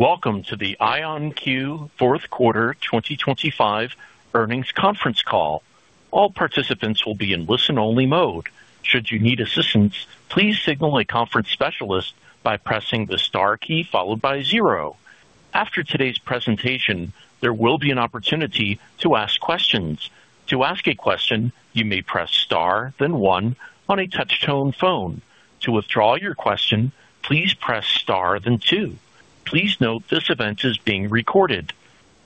Welcome to the IonQ 4th quarter 2025 earnings conference call. All participants will be in listen-only mode. Should you need assistance, please signal a conference specialist by pressing the star key followed by 0. After today's presentation, there will be an opportunity to ask questions. To ask a question, you may press star, then 1 on a touch-tone phone. To withdraw your question, please press star, then 2. Please note this event is being recorded.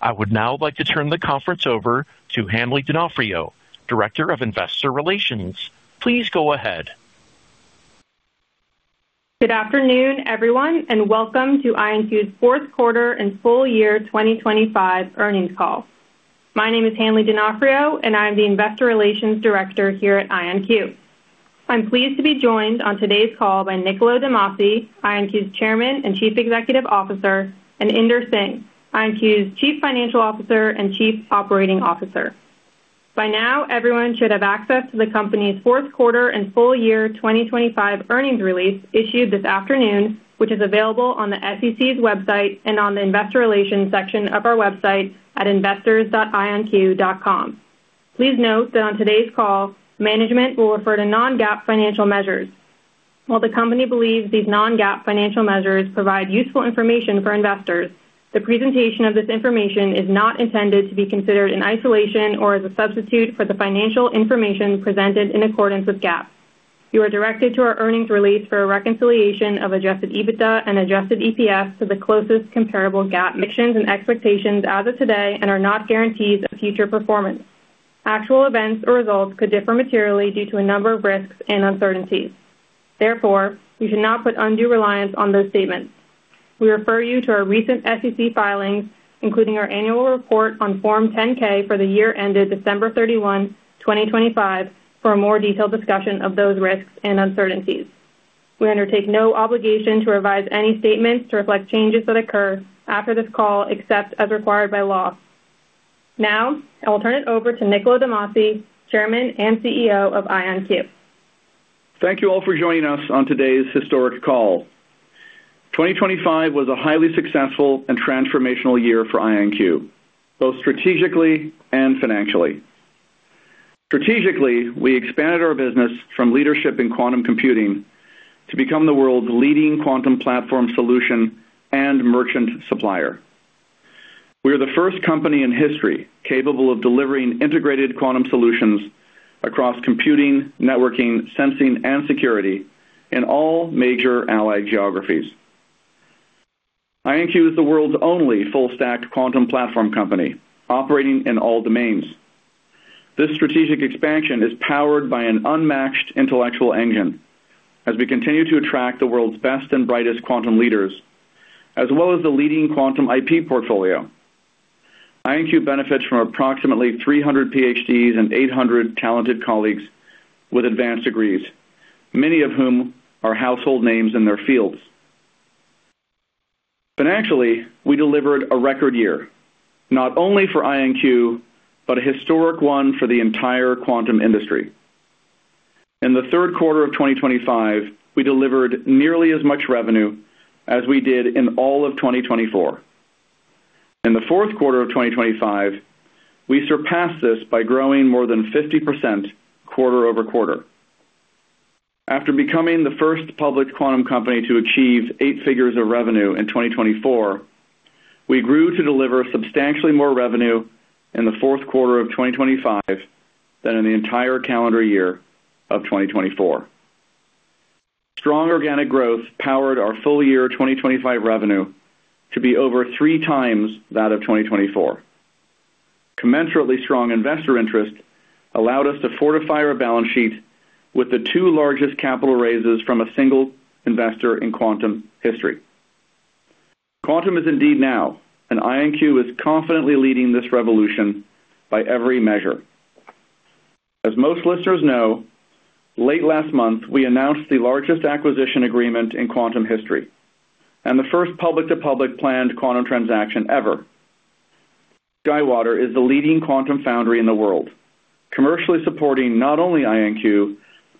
I would now like to turn the conference over to Jordan Shapiro, Director of Investor Relations. Please go ahead. Good afternoon, everyone, and welcome to IonQ's fourth quarter and full year 2025 earnings call. My name is Jordan Shapiro, and I'm the Investor Relations Director here at IonQ. I'm pleased to be joined on today's call by Niccolo de Masi, IonQ's Chairman and Chief Executive Officer, and Inder Singh, IonQ's Chief Financial Officer and Chief Operating Officer. By now, everyone should have access to the company's fourth quarter and full year 2025 earnings release issued this afternoon, which is available on the SEC's website and on the investor relations section of our website at investors.ionq.com. Please note that on today's call, management will refer to non-GAAP financial measures. While the company believes these non-GAAP financial measures provide useful information for investors, the presentation of this information is not intended to be considered in isolation or as a substitute for the financial information presented in accordance with GAAP. You are directed to our earnings release for a reconciliation of adjusted EBITDA and adjusted EPS to the closest comparable GAAP missions and expectations as of today and are not guarantees of future performance. Actual events or results could differ materially due to a number of risks and uncertainties. You should not put undue reliance on those statements. We refer you to our recent SEC filings, including our annual report on Form 10-K for the year ended December 31, 2025, for a more detailed discussion of those risks and uncertainties. We undertake no obligation to revise any statements to reflect changes that occur after this call, except as required by law. I will turn it over to Niccolo de Masi, Chairman and CEO of IonQ. Thank you all for joining us on today's historic call. 2025 was a highly successful and transformational year for IonQ, both strategically and financially. Strategically, we expanded our business from leadership in quantum computing to become the world's leading quantum platform solution and merchant supplier. We are the first company in history capable of delivering integrated quantum solutions across computing, networking, sensing, and security in all major allied geographies. IonQ is the world's only full-stacked quantum platform company operating in all domains. This strategic expansion is powered by an unmatched intellectual engine as we continue to attract the world's best and brightest quantum leaders, as well as the leading quantum IP portfolio. IonQ benefits from approximately 300 PhDs and 800 talented colleagues with advanced degrees, many of whom are household names in their fields. Financially, we delivered a record year, not only for IonQ, but a historic one for the entire quantum industry. In the third quarter of 2025, we delivered nearly as much revenue as we did in all of 2024. In the fourth quarter of 2025, we surpassed this by growing more than 50% quarter-over-quarter. After becoming the first public quantum company to achieve 8 figures of revenue in 2024, we grew to deliver substantially more revenue in the fourth quarter of 2025 than in the entire calendar year of 2024. Strong organic growth powered our full year 2025 revenue to be over 3 times that of 2024. Commensurately, strong investor interest allowed us to fortify our balance sheet with the two largest capital raises from a single investor in quantum history. Quantum is indeed now. IonQ is confidently leading this revolution by every measure. As most listeners know, late last month, we announced the largest acquisition agreement in quantum history and the first public-to-public planned quantum transaction ever. SkyWater is the leading quantum foundry in the world, commercially supporting not only IonQ,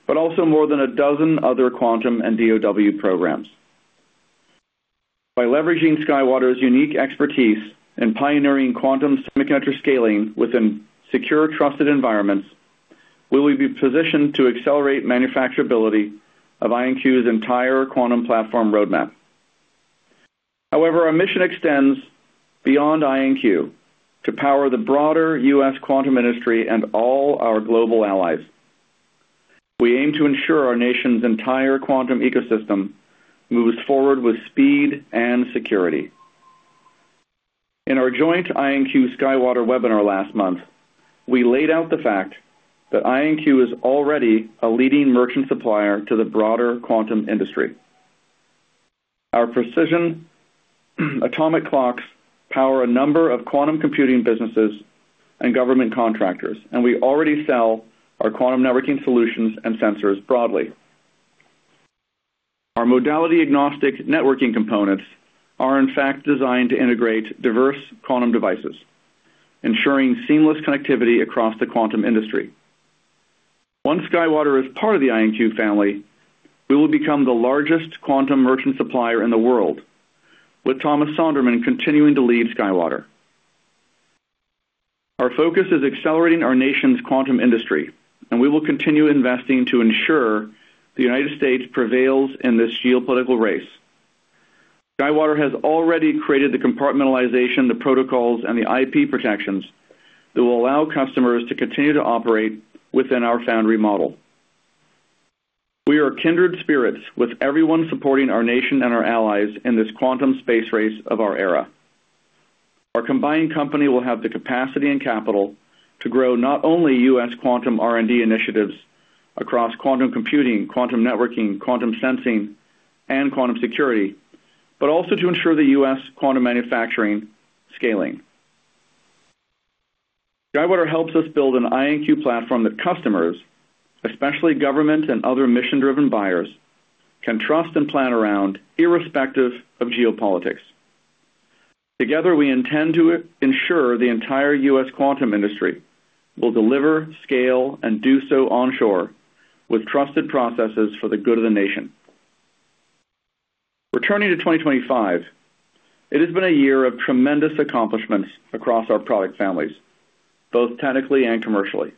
but also more than a dozen other quantum and DOD programs. By leveraging SkyWater's unique expertise in pioneering quantum semiconductor scaling within secure, trusted environments, we will be positioned to accelerate manufacturability of IonQ's entire quantum platform roadmap. However, our mission extends beyond IonQ to power the broader U.S. quantum industry and all our global allies. We aim to ensure our nation's entire quantum ecosystem moves forward with speed and security. In our joint IonQ SkyWater webinar last month, we laid out the fact that IonQ is already a leading merchant supplier to the broader quantum industry. Our precision atomic clocks power a number of quantum computing businesses and government contractors, and we already sell our quantum networking solutions and sensors broadly. Our modality-agnostic networking components are, in fact, designed to integrate diverse quantum devices, ensuring seamless connectivity across the quantum industry. Once SkyWater is part of the IonQ family, we will become the largest quantum merchant supplier in the world, with Thomas Sonderman continuing to lead SkyWater. Our focus is accelerating our nation's quantum industry, and we will continue investing to ensure the United States prevails in this geopolitical race. SkyWater has already created the compartmentalization, the protocols, and the IP protections that will allow customers to continue to operate within our foundry model. We are kindred spirits, with everyone supporting our nation and our allies in this quantum space race of our era. Our combined company will have the capacity and capital to grow not only U.S. quantum R&D initiatives across quantum computing, quantum networking, quantum sensing, and quantum security, but also to ensure the U.S. quantum manufacturing scaling. SkyWater helps us build an IonQ platform that customers, especially government and other mission-driven buyers, can trust and plan around irrespective of geopolitics. Together, we intend to ensure the entire U.S. quantum industry will deliver, scale, and do so onshore with trusted processes for the good of the nation. Returning to 2025, it has been a year of tremendous accomplishments across our product families, both technically and commercially.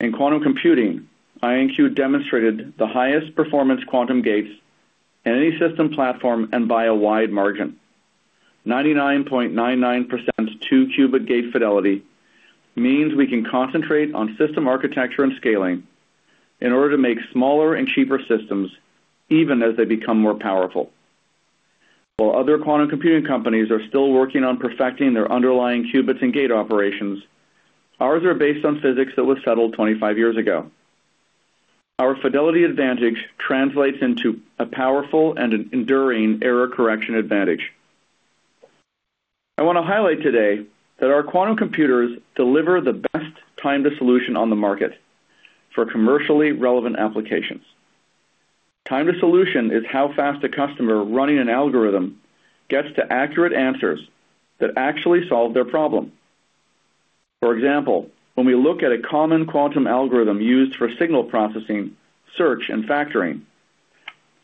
In quantum computing, IonQ demonstrated the highest performance quantum gates in any system platform and by a wide margin. 99.99% two-qubit gate fidelity means we can concentrate on system architecture and scaling in order to make smaller and cheaper systems, even as they become more powerful. While other quantum computing companies are still working on perfecting their underlying qubits and gate operations, ours are based on physics that was settled 25 years ago. Our fidelity advantage translates into a powerful and enduring error correction advantage. I want to highlight today that our quantum computers deliver the best time to solution on the market for commercially relevant applications. Time to solution is how fast a customer running an algorithm gets to accurate answers that actually solve their problem. For example, when we look at a common quantum algorithm used for signal processing, search, and factoring,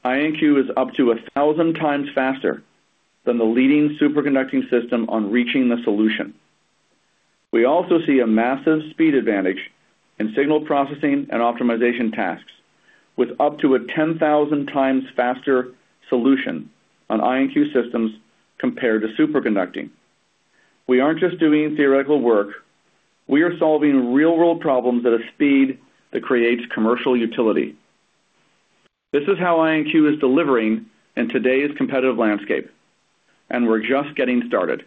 IonQ is up to 1,000 times faster than the leading superconducting system on reaching the solution. We also see a massive speed advantage in signal processing and optimization tasks, with up to a 10,000 times faster solution on IonQ systems compared to superconducting. We aren't just doing theoretical work, we are solving real-world problems at a speed that creates commercial utility. This is how IonQ is delivering in today's competitive landscape, and we're just getting started.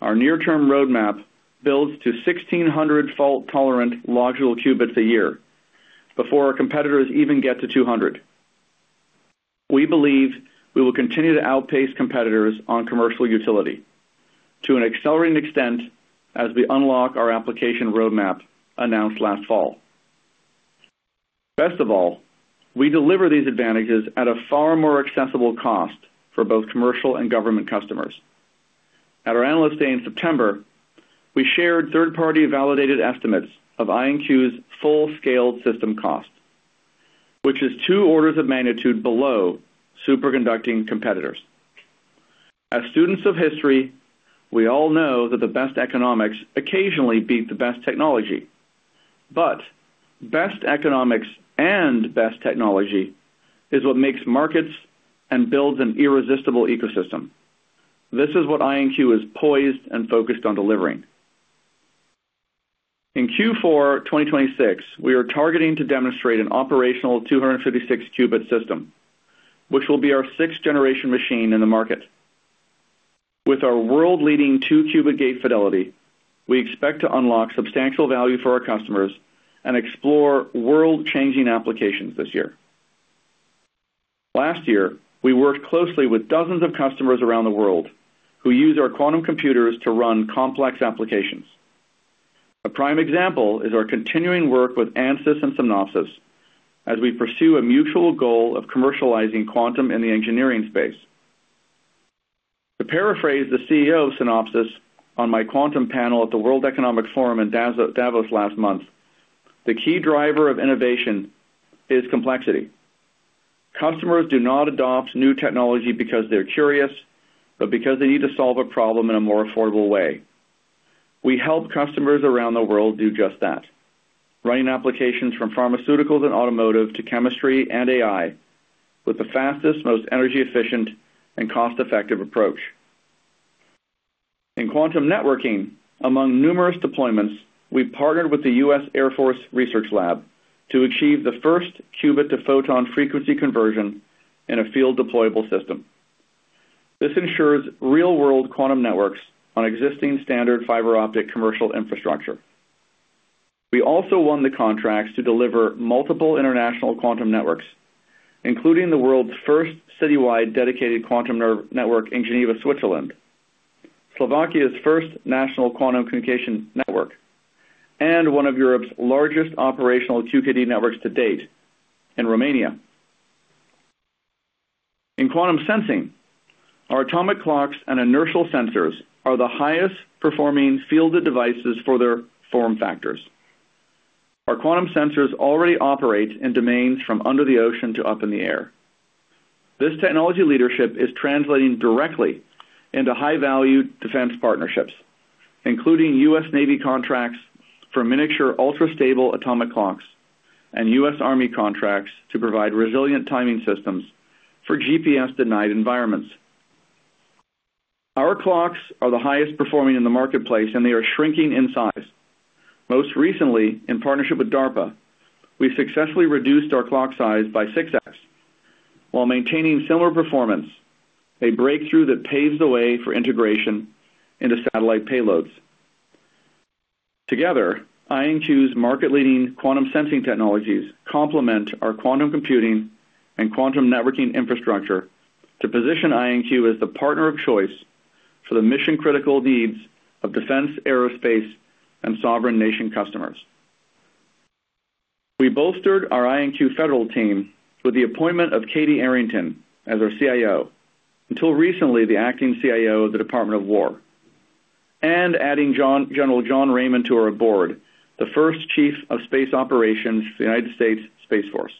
Our near-term roadmap builds to 1,600 fault-tolerant logical qubits a year before our competitors even get to 200. We believe we will continue to outpace competitors on commercial utility to an accelerating extent as we unlock our application roadmap announced last fall. Best of all, we deliver these advantages at a far more accessible cost for both commercial and government customers. At our Analyst Day in September, we shared third-party validated estimates of IonQ's full-scaled system cost, which is 2 orders of magnitude below superconducting competitors. As students of history, we all know that the best economics occasionally beat the best technology, but best economics and best technology is what makes markets and builds an irresistible ecosystem. This is what IonQ is poised and focused on delivering. In Q4 2026, we are targeting to demonstrate an operational 256 qubit system, which will be our sixth-generation machine in the market. With our world-leading two-qubit gate fidelity, we expect to unlock substantial value for our customers and explore world-changing applications this year. Last year, we worked closely with dozens of customers around the world who use our quantum computers to run complex applications. A prime example is our continuing work with Ansys and Synopsys as we pursue a mutual goal of commercializing quantum in the engineering space. To paraphrase the CEO of Synopsys on my quantum panel at the World Economic Forum in Davos last month, the key driver of innovation is complexity. Customers do not adopt new technology because they're curious, but because they need to solve a problem in a more affordable way. We help customers around the world do just that, running applications from pharmaceuticals and automotive to chemistry and AI, with the fastest, most energy efficient and cost-effective approach. In quantum networking, among numerous deployments, we partnered with the U.S. Air Force Research Lab to achieve the first qubit-to-photon frequency conversion in a field-deployable system. This ensures real-world quantum networks on existing standard fiber optic commercial infrastructure. We also won the contracts to deliver multiple international quantum networks, including the world's first citywide dedicated quantum network in Geneva, Switzerland, Slovakia's first national quantum communication network, and one of Europe's largest operational QKD networks to date in Romania. In quantum sensing, our atomic clocks and inertial sensors are the highest performing fielded devices for their form factors. Our quantum sensors already operate in domains from under the ocean to up in the air. This technology leadership is translating directly into high-value defense partnerships, including US Navy contracts for miniature, ultra-stable atomic clocks, and US Army contracts to provide resilient timing systems for GPS-denied environments. Our clocks are the highest performing in the marketplace, and they are shrinking in size. Most recently, in partnership with DARPA, we successfully reduced our clock size by 6X while maintaining similar performance, a breakthrough that paves the way for integration into satellite payloads. Together, IonQ's market-leading quantum sensing technologies complement our quantum computing and quantum networking infrastructure to position IonQ as the partner of choice for the mission-critical needs of defense, aerospace, and sovereign nation customers. We bolstered our IonQ federal team with the appointment of Katie Arrington as our CIO, until recently, the acting CIO of the Department of War, and adding General John Raymond to our board, the first Chief of Space Operations for the United States Space Force.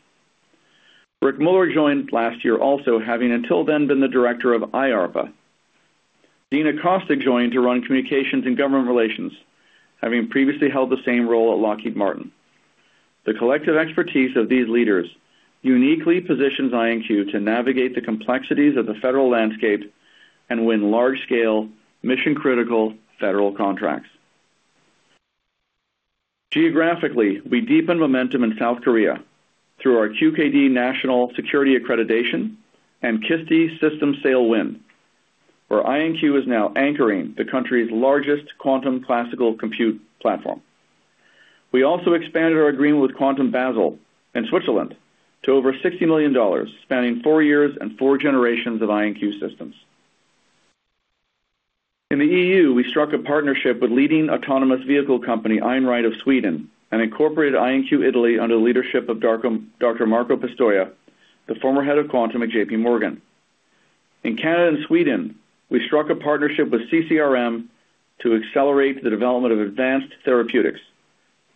Rick Mueller joined last year, also having until then been the director of IARPA. Dean Acosta joined to run communications and government relations, having previously held the same role at Lockheed Martin. The collective expertise of these leaders uniquely positions IonQ to navigate the complexities of the federal landscape and win large-scale, mission-critical federal contracts. Geographically, we deepen momentum in South Korea through our QKD national security accreditation and KISTI system sale win, where IonQ is now anchoring the country's largest quantum classical compute platform. We also expanded our agreement with QuantumBasel in Switzerland to over $60 million, spanning four years and four generations of IonQ systems. In the EU, we struck a partnership with leading autonomous vehicle company, Einride of Sweden, and incorporated IonQ Italia under the leadership of Dr. Marco Pistoia, the former head of Quantum at JP Morgan. In Canada and Sweden, we struck a partnership with CCRM to accelerate the development of advanced therapeutics,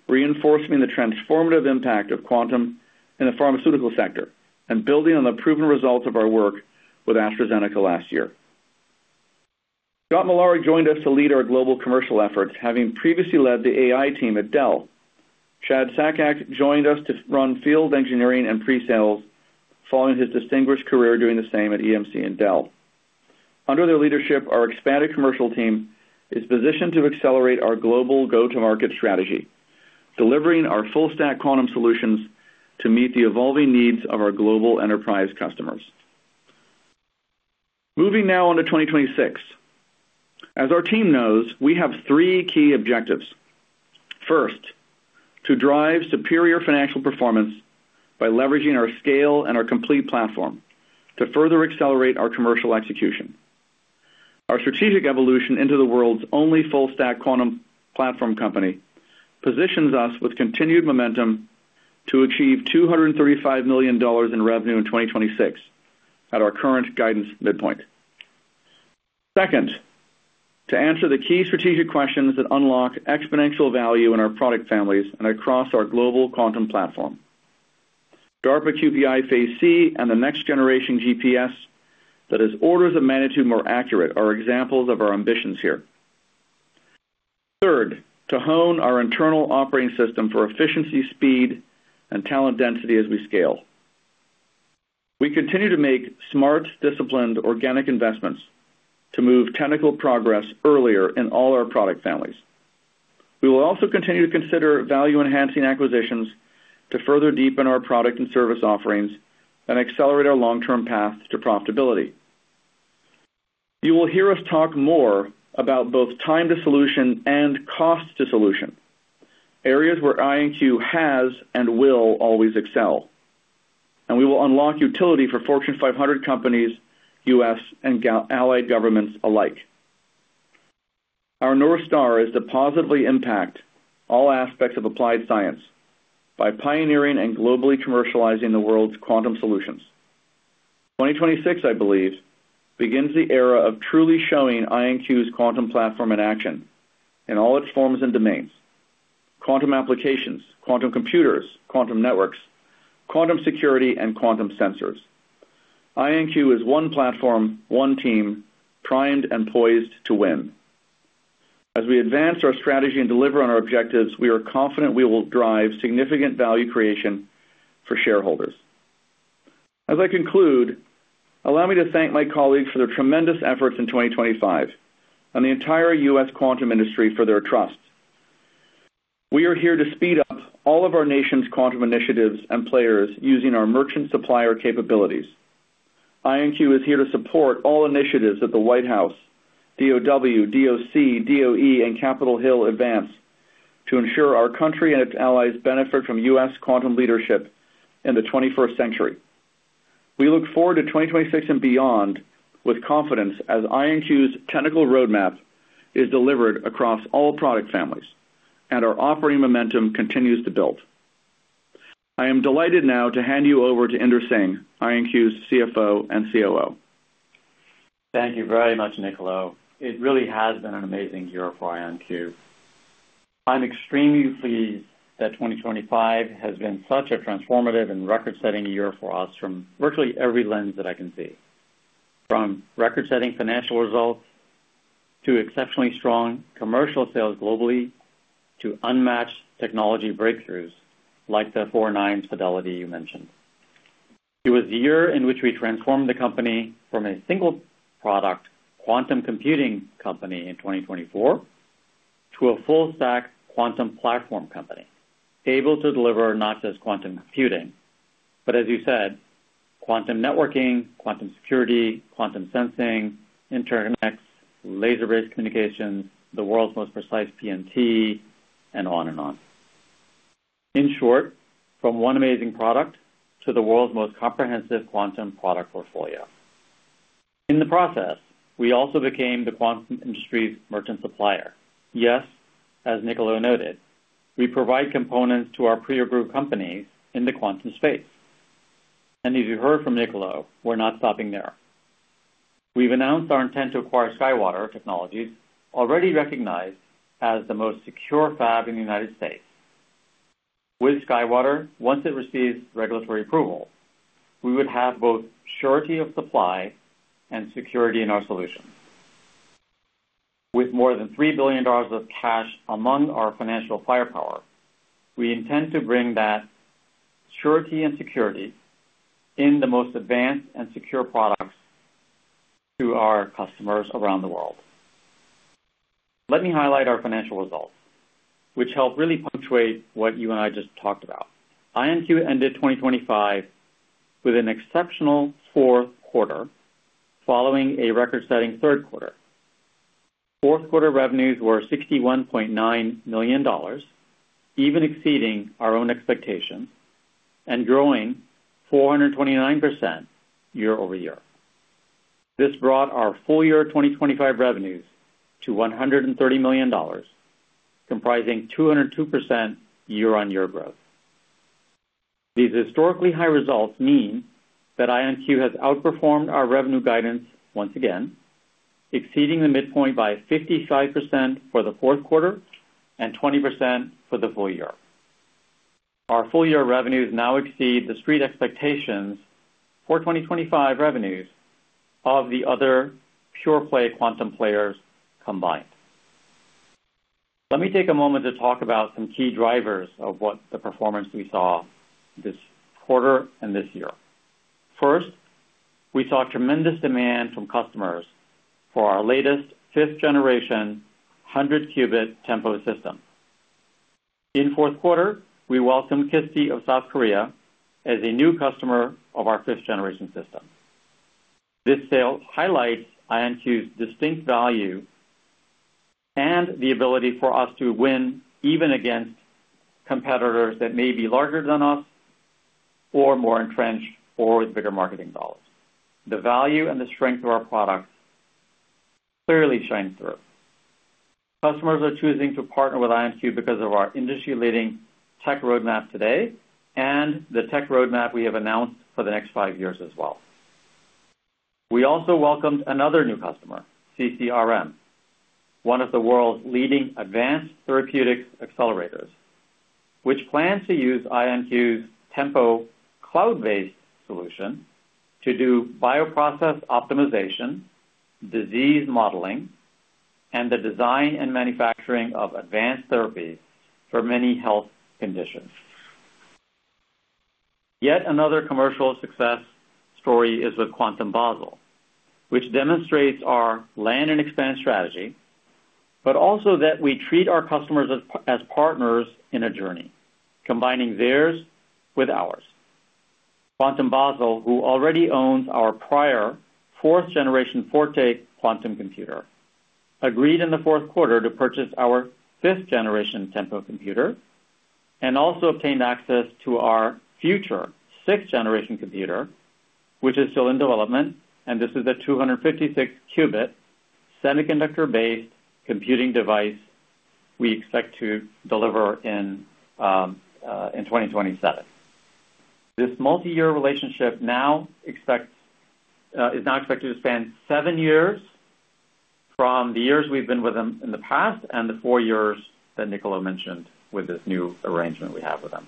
reinforcing the transformative impact of quantum in the pharmaceutical sector and building on the proven results of our work with AstraZeneca last year. Scott Millard joined us to lead our global commercial efforts, having previously led the AI team at Dell. Chad Sakac joined us to run field engineering and pre-sales, following his distinguished career, doing the same at EMC and Dell. Under their leadership, our expanded commercial team is positioned to accelerate our global go-to-market strategy, delivering our full-stack quantum solutions to meet the evolving needs of our global enterprise customers. Moving now on to 2026. As our team knows, we have three key objectives. First, to drive superior financial performance by leveraging our scale and our complete platform to further accelerate our commercial execution. Our strategic evolution into the world's only full-stack quantum platform company positions us with continued momentum to achieve $235 million in revenue in 2026 at our current guidance midpoint. Second, to answer the key strategic questions that unlock exponential value in our product families and across our global quantum platform. DARPA QBI Phase C and the next-generation GPS that is orders of magnitude more accurate are examples of our ambitions here. Third, to hone our internal operating system for efficiency, speed, and talent density as we scale. We continue to make smart, disciplined, organic investments to move technical progress earlier in all our product families. We will also continue to consider value-enhancing acquisitions to further deepen our product and service offerings and accelerate our long-term path to profitability. You will hear us talk more about both time to solution and cost to solution, areas where IonQ has and will always excel, and we will unlock utility for Fortune 500 companies, U.S. and allied governments alike. Our North Star is to positively impact all aspects of applied science by pioneering and globally commercializing the world's quantum solutions. 2026, I believe, begins the era of truly showing IonQ's quantum platform in action in all its forms and domains: quantum applications, quantum computers, quantum networks, quantum security, and quantum sensors. IonQ is one platform, one team, primed and poised to win. As we advance our strategy and deliver on our objectives, we are confident we will drive significant value creation for shareholders. As I conclude, allow me to thank my colleagues for their tremendous efforts in 2025 and the entire U.S. quantum industry for their trust. We are here to speed up all of our nation's quantum initiatives and players using our merchant supplier capabilities. IonQ is here to support all initiatives at the White House, DOD, DOC, DOE, and Capitol Hill advance to ensure our country and its allies benefit from U.S. quantum leadership in the twenty-first century. We look forward to 2026 and beyond with confidence, as IonQ's technical roadmap is delivered across all product families and our operating momentum continues to build. I am delighted now to hand you over to Inder Singh, IonQ's CFO and COO. Thank you very much, Niccolo. It really has been an amazing year for IonQ. I'm extremely pleased that 2025 has been such a transformative and record-setting year for us from virtually every lens that I can see. From record-setting financial results, to exceptionally strong commercial sales globally, to unmatched technology breakthroughs, like the four-nines fidelity you mentioned. It was the year in which we transformed the company from a single product, quantum computing company in 2024, to a full stack quantum platform company, able to deliver not just quantum computing, but as you said, quantum networking, quantum security, quantum sensing, internet, laser-based communications, the world's most precise PNT, and on and on. In short, from one amazing product to the world's most comprehensive quantum product portfolio. In the process, we also became the quantum industry's merchant supplier. Yes, as Niccolo noted, we provide components to our pre-approved companies in the quantum space. As you heard from Niccolo, we're not stopping there. We've announced our intent to acquire SkyWater Technology, already recognized as the most secure fab in the United States. With SkyWater, once it receives regulatory approval, we would have both surety of supply and security in our solutions. With more than $3 billion of cash among our financial firepower, we intend to bring that surety and security in the most advanced and secure products to our customers around the world. Let me highlight our financial results, which help really punctuate what you and I just talked about. IonQ ended 2025 with an exceptional fourth quarter, following a record-setting third quarter. Fourth quarter revenues were $61.9 million, even exceeding our own expectations and growing 429% year-over-year. This brought our full year 2025 revenues to $130 million, comprising 202% year-on-year growth. These historically high results mean that IonQ has outperformed our revenue guidance once again, exceeding the midpoint by 55% for the fourth quarter and 20% for the full year. Our full year revenues now exceed the street expectations for 2025 revenues of the other pure-play quantum players combined. Let me take a moment to talk about some key drivers of what the performance we saw this quarter and this year. First, we saw tremendous demand from customers for our latest fifth-generation, 100-qubit IonQ Tempo system. In fourth quarter, we welcomed KISTI of South Korea as a new customer of our fifth-generation system. This sale highlights IonQ's distinct value and the ability for us to win even against competitors that may be larger than us or more entrenched or with bigger marketing dollars. The value and the strength of our products clearly shine through. Customers are choosing to partner with IonQ because of our industry-leading tech roadmap today, and the tech roadmap we have announced for the next five years as well. We also welcomed another new customer, CCRM, one of the world's leading advanced therapeutic accelerators, which plans to use IonQ's Tempo cloud-based solution to do bioprocess optimization, disease modeling, and the design and manufacturing of advanced therapies for many health conditions. Yet another commercial success story is with QuantumBasel, which demonstrates our land and expand strategy, also that we treat our customers as partners in a journey, combining theirs with ours. QuantumBasel, who already owns our prior fourth generation Forte quantum computer, agreed in Q4 to purchase our fifth generation Tempo computer and also obtained access to our future sixth generation computer, which is still in development. This is a 256-qubit semiconductor-based computing device we expect to deliver in 2027. This multi-year relationship is now expected to span 7 years from the years we've been with them in the past and the 4 years that Niccolo mentioned with this new arrangement we have with them.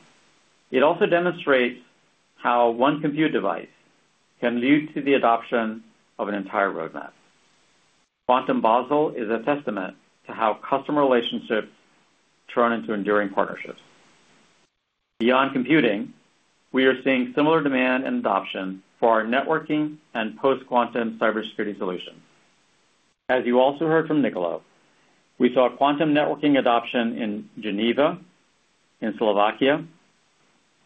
It also demonstrates how one compute device can lead to the adoption of an entire roadmap. Quantum Basel is a testament to how customer relationships turn into enduring partnerships. Beyond computing, we are seeing similar demand and adoption for our networking and post-quantum cybersecurity solutions. As you also heard from Niccolo, we saw quantum networking adoption in Geneva, in Slovakia,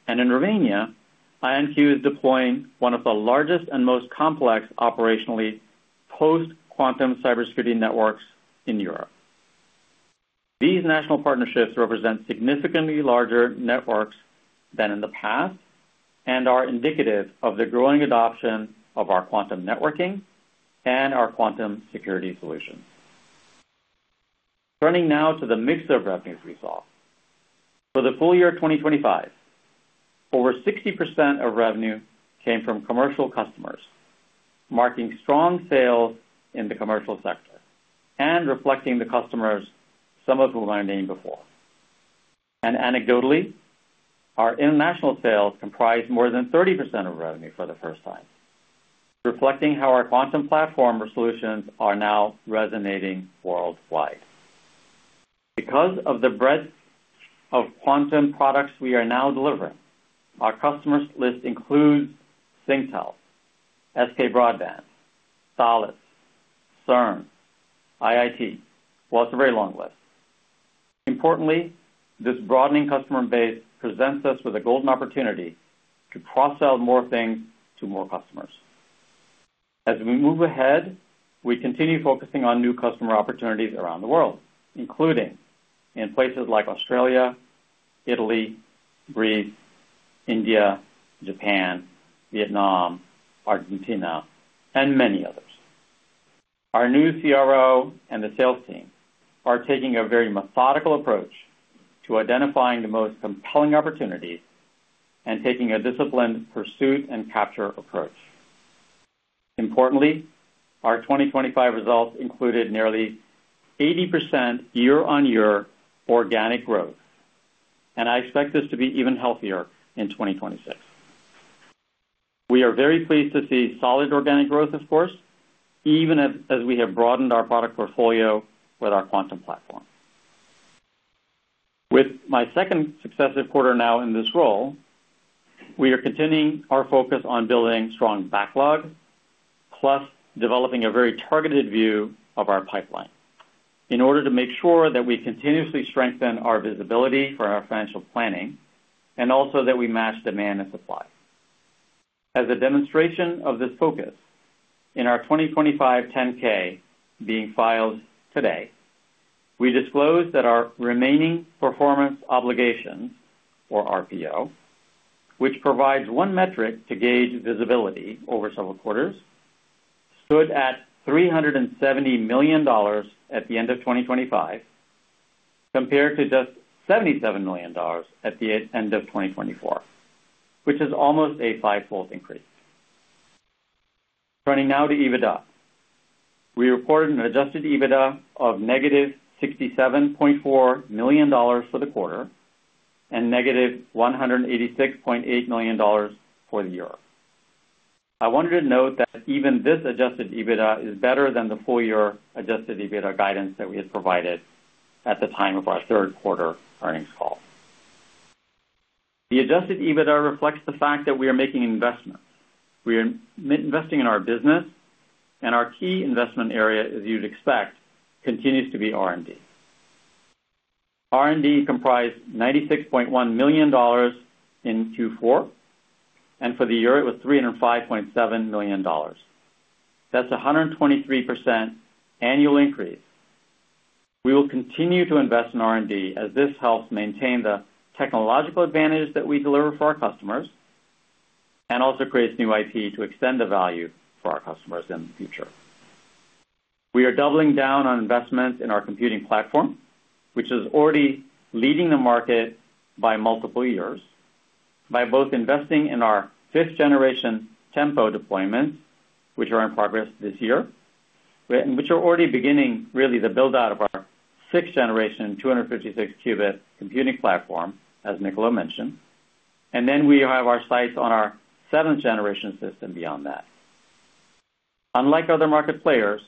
and in Romania, IonQ is deploying one of the largest and most complex operationally post-quantum cybersecurity networks in Europe. These national partnerships represent significantly larger networks than in the past and are indicative of the growing adoption of our quantum networking and our quantum security solutions. Turning now to the mix of revenues we saw. For the full year of 2025, over 60% of revenue came from commercial customers, marking strong sales in the commercial sector and reflecting the customers, some of whom I named before. Anecdotally, our international sales comprised more than 30% of revenue for the first time, reflecting how our quantum platform solutions are now resonating worldwide. Because of the breadth of quantum products we are now delivering, our customers list includes Singtel, SK Broadband, Solace, CERN, IIT. Well, it's a very long list. Importantly, this broadening customer base presents us with a golden opportunity to cross-sell more things to more customers. As we move ahead, we continue focusing on new customer opportunities around the world, including in places like Australia, Italy, Greece, India, Japan, Vietnam, Argentina, and many others. Our new CRO and the sales team are taking a very methodical approach to identifying the most compelling opportunities and taking a disciplined pursuit and capture approach. Importantly, our 2025 results included nearly 80% year-on-year organic growth, and I expect this to be even healthier in 2026. We are very pleased to see solid organic growth, of course, even as we have broadened our product portfolio with our quantum platform. With my second successive quarter now in this role, we are continuing our focus on building strong backlog, plus developing a very targeted view of our pipeline in order to make sure that we continuously strengthen our visibility for our financial planning and also that we match demand and supply. As a demonstration of this focus, in our 2025 Form 10-K being filed today, we disclosed that our remaining performance obligations, or RPO, which provides one metric to gauge visibility over several quarters, stood at $370 million at the end of 2025, compared to just $77 million at the end of 2024, which is almost a fivefold increase. Turning now to EBITDA. We reported an adjusted EBITDA of -$67.4 million for the quarter and -$186.8 million for the year. I wanted to note that even this adjusted EBITDA is better than the full year adjusted EBITDA guidance that we had provided at the time of our third quarter earnings call. The adjusted EBITDA reflects the fact that we are making investments. We are investing in our business, and our key investment area, as you'd expect, continues to be R&D. R&D comprised $96.1 million in Q4, and for the year it was $305.7 million. That's a 123% annual increase. We will continue to invest in R&D as this helps maintain the technological advantage that we deliver for our customers and also creates new IP to extend the value for our customers in the future. We are doubling down on investments in our computing platform, which is already leading the market by multiple years by both investing in our fifth-generation Tempo deployments, which are in progress this year, and which are already beginning, really, the build-out of our sixth-generation, 256 qubit computing platform, as Niccolo mentioned. We have our sights on our seventh-generation system beyond that. Unlike other market players,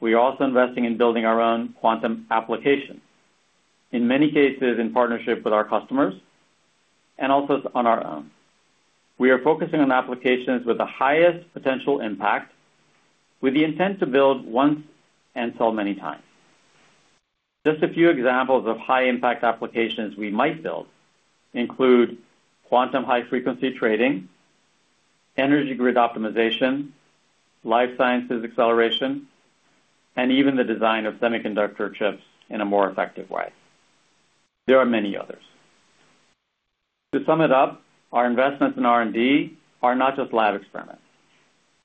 we are also investing in building our own quantum applications, in many cases, in partnership with our customers and also on our own. We are focusing on applications with the highest potential impact, with the intent to build once and sell many times. Just a few examples of high-impact applications we might build include quantum high-frequency trading, energy grid optimization, life sciences acceleration, and even the design of semiconductor chips in a more effective way. There are many others. To sum it up, our investments in R&D are not just lab experiments.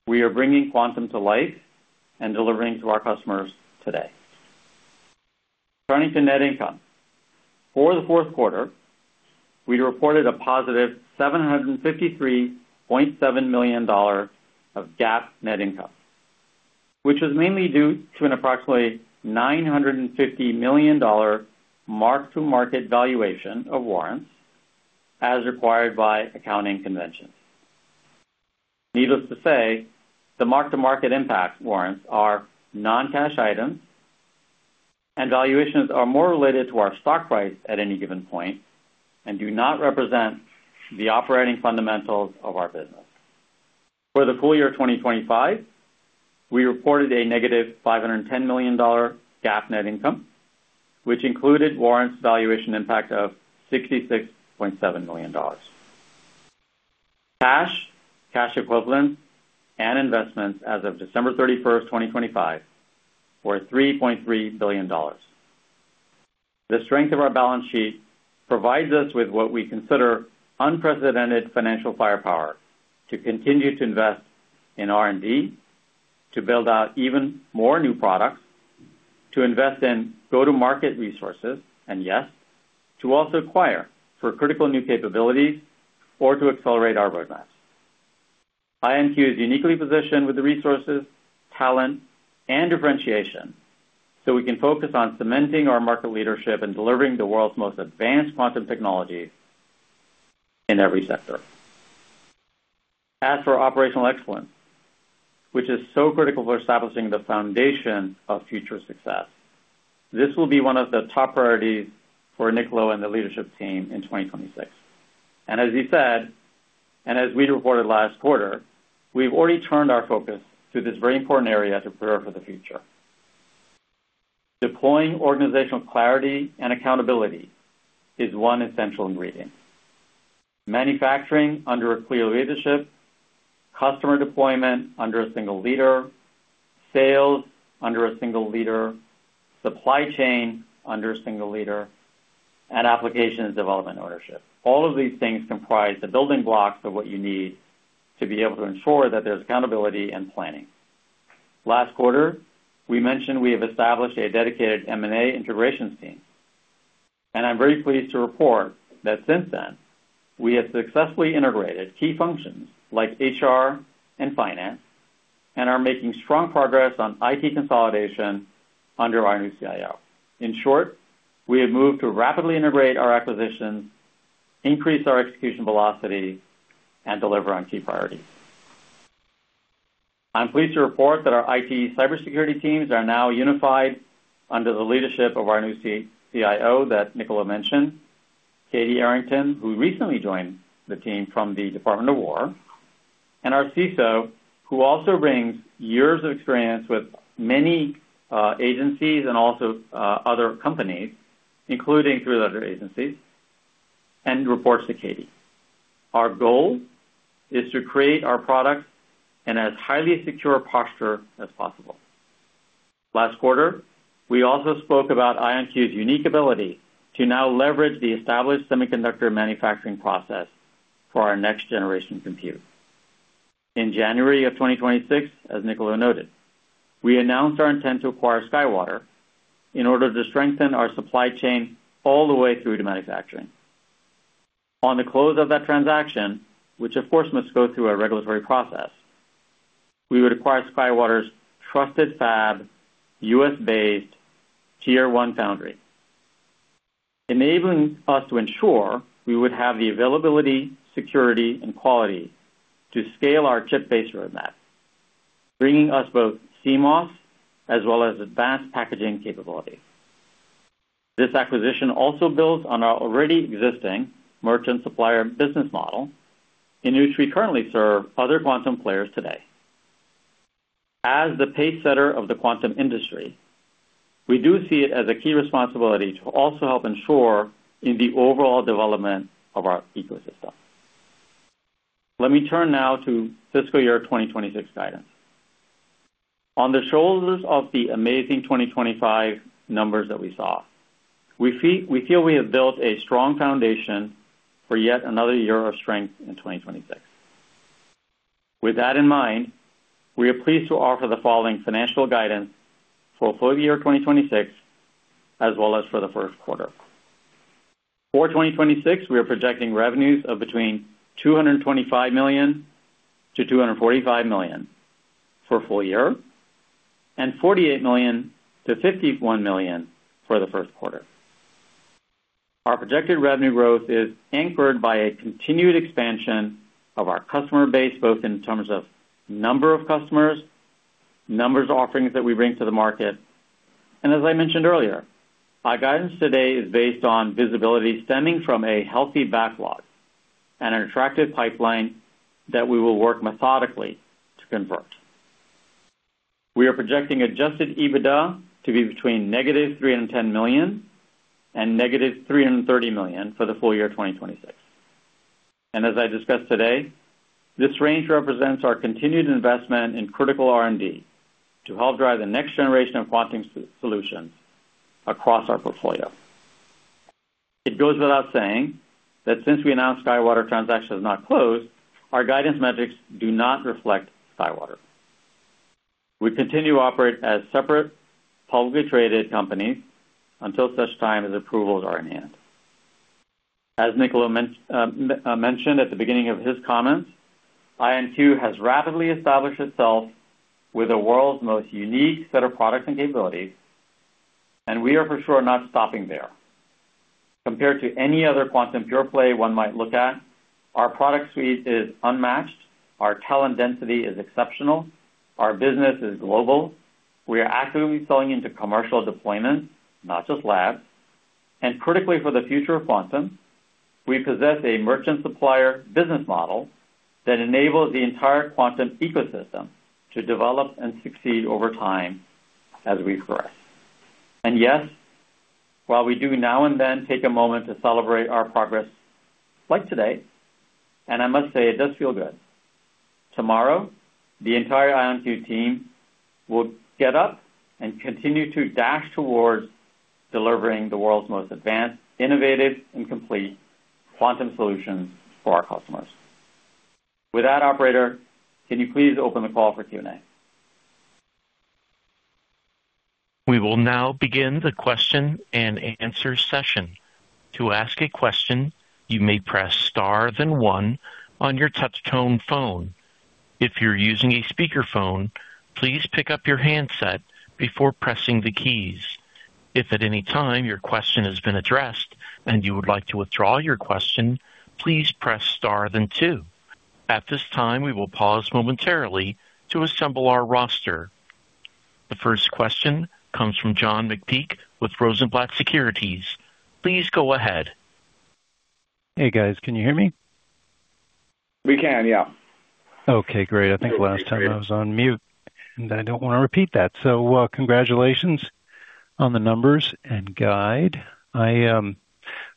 We are bringing quantum to life and delivering to our customers today. Turning to net income. For the fourth quarter, we reported a positive $753.7 million of GAAP net income, which was mainly due to an approximately $950 million mark-to-market valuation of warrants as required by accounting conventions. Needless to say, the mark-to-market impact warrants are non-cash items. Valuations are more related to our stock price at any given point and do not represent the operating fundamentals of our business. For the full year 2025, we reported a negative $510 million GAAP net income, which included warrants valuation impact of $66.7 million. Cash, cash equivalents, and investments as of December 31st, 2025, were $3.3 billion. The strength of our balance sheet provides us with what we consider unprecedented financial firepower to continue to invest in R&D, to build out even more new products, to invest in go-to-market resources, yes, to also acquire for critical new capabilities or to accelerate our roadmap. IonQ is uniquely positioned with the resources, talent, and differentiation, so we can focus on cementing our market leadership and delivering the world's most advanced quantum technologies in every sector. As for operational excellence, which is so critical for establishing the foundation of future success, this will be one of the top priorities for Niccolo and the leadership team in 2026. As he said, and as we reported last quarter, we've already turned our focus to this very important area to prepare for the future. Deploying organizational clarity and accountability is one essential ingredient. Manufacturing under a clear leadership, customer deployment under a single leader, sales under a single leader, supply chain under a single leader, and application and development ownership. All of these things comprise the building blocks of what you need to be able to ensure that there's accountability and planning. Last quarter, we mentioned we have established a dedicated M&A integration team. I'm very pleased to report that since then, we have successfully integrated key functions like HR and finance, and are making strong progress on IT consolidation under our new CIO. In short, we have moved to rapidly integrate our acquisitions, increase our execution velocity, and deliver on key priorities. I'm pleased to report that our IT cybersecurity teams are now unified under the leadership of our new C-CIO that Niccolo mentioned, Katie Arrington, who recently joined the team from the Department of War, and our CISO, who also brings years of experience with many agencies and also other companies, including three-letter agencies, and reports to Katie. Our goal is to create our product in as highly secure posture as possible. Last quarter, we also spoke about IonQ's unique ability to now leverage the established semiconductor manufacturing process for our next generation compute. In January of 2026, as Niccolo noted, we announced our intent to acquire SkyWater in order to strengthen our supply chain all the way through to manufacturing. On the close of that transaction, which of course, must go through a regulatory process, we would acquire SkyWater's trusted fab, U.S.-based Tier 1 foundry, enabling us to ensure we would have the availability, security, and quality to scale our chip-based roadmap, bringing us both CMOS as well as advanced packaging capability. This acquisition also builds on our already existing merchant supplier business model, in which we currently serve other quantum players today. As the pacesetter of the quantum industry, we do see it as a key responsibility to also help ensure in the overall development of our ecosystem. Let me turn now to fiscal year 2026 guidance. On the shoulders of the amazing 2025 numbers that we saw, we feel we have built a strong foundation for yet another year of strength in 2026. With that in mind, we are pleased to offer the following financial guidance for full year 2026, as well as for the first quarter. For 2026, we are projecting revenues of between $225 million-$245 million for full year, and $48 million-$51 million for the first quarter. Our projected revenue growth is anchored by a continued expansion of our customer base, both in terms of number of customers, numbers offerings that we bring to the market. As I mentioned earlier, our guidance today is based on visibility stemming from a healthy backlog and an attractive pipeline that we will work methodically to convert. We are projecting adjusted EBITDA to be between -$310 million and -$330 million for the full year 2026. As I discussed today, this range represents our continued investment in critical R&D to help drive the next generation of quantum solutions across our portfolio. It goes without saying that since we announced SkyWater transaction is not closed, our guidance metrics do not reflect SkyWater. We continue to operate as separate, publicly traded companies until such time as approvals are in hand. As Niccolo mentioned at the beginning of his comments, IonQ has rapidly established itself with the world's most unique set of products and capabilities. We are for sure not stopping there. Compared to any other quantum pure play one might look at, our product suite is unmatched, our talent density is exceptional, our business is global, we are actively selling into commercial deployments, not just labs. Critically, for the future of quantum, we possess a merchant supplier business model that enables the entire quantum ecosystem to develop and succeed over time as we progress. Yes, while we do now and then take a moment to celebrate our progress like today, and I must say it does feel good. Tomorrow, the entire IonQ team will get up and continue to dash towards delivering the world's most advanced, innovative, and complete quantum solutions for our customers. With that, operator, can you please open the call for Q&A? We will now begin the question-and-answer session. To ask a question, you may press star then one on your touch-tone phone. If you're using a speakerphone, please pick up your handset before pressing the keys. If at any time your question has been addressed and you would like to withdraw your question, please press star then two. At this time, we will pause momentarily to assemble our roster. The first question comes from John McPeake with Rosenblatt Securities. Please go ahead. Hey, guys, can you hear me? We can, yeah. Okay, great. I think last time I was on mute, I don't want to repeat that. Congratulations on the numbers and guide. I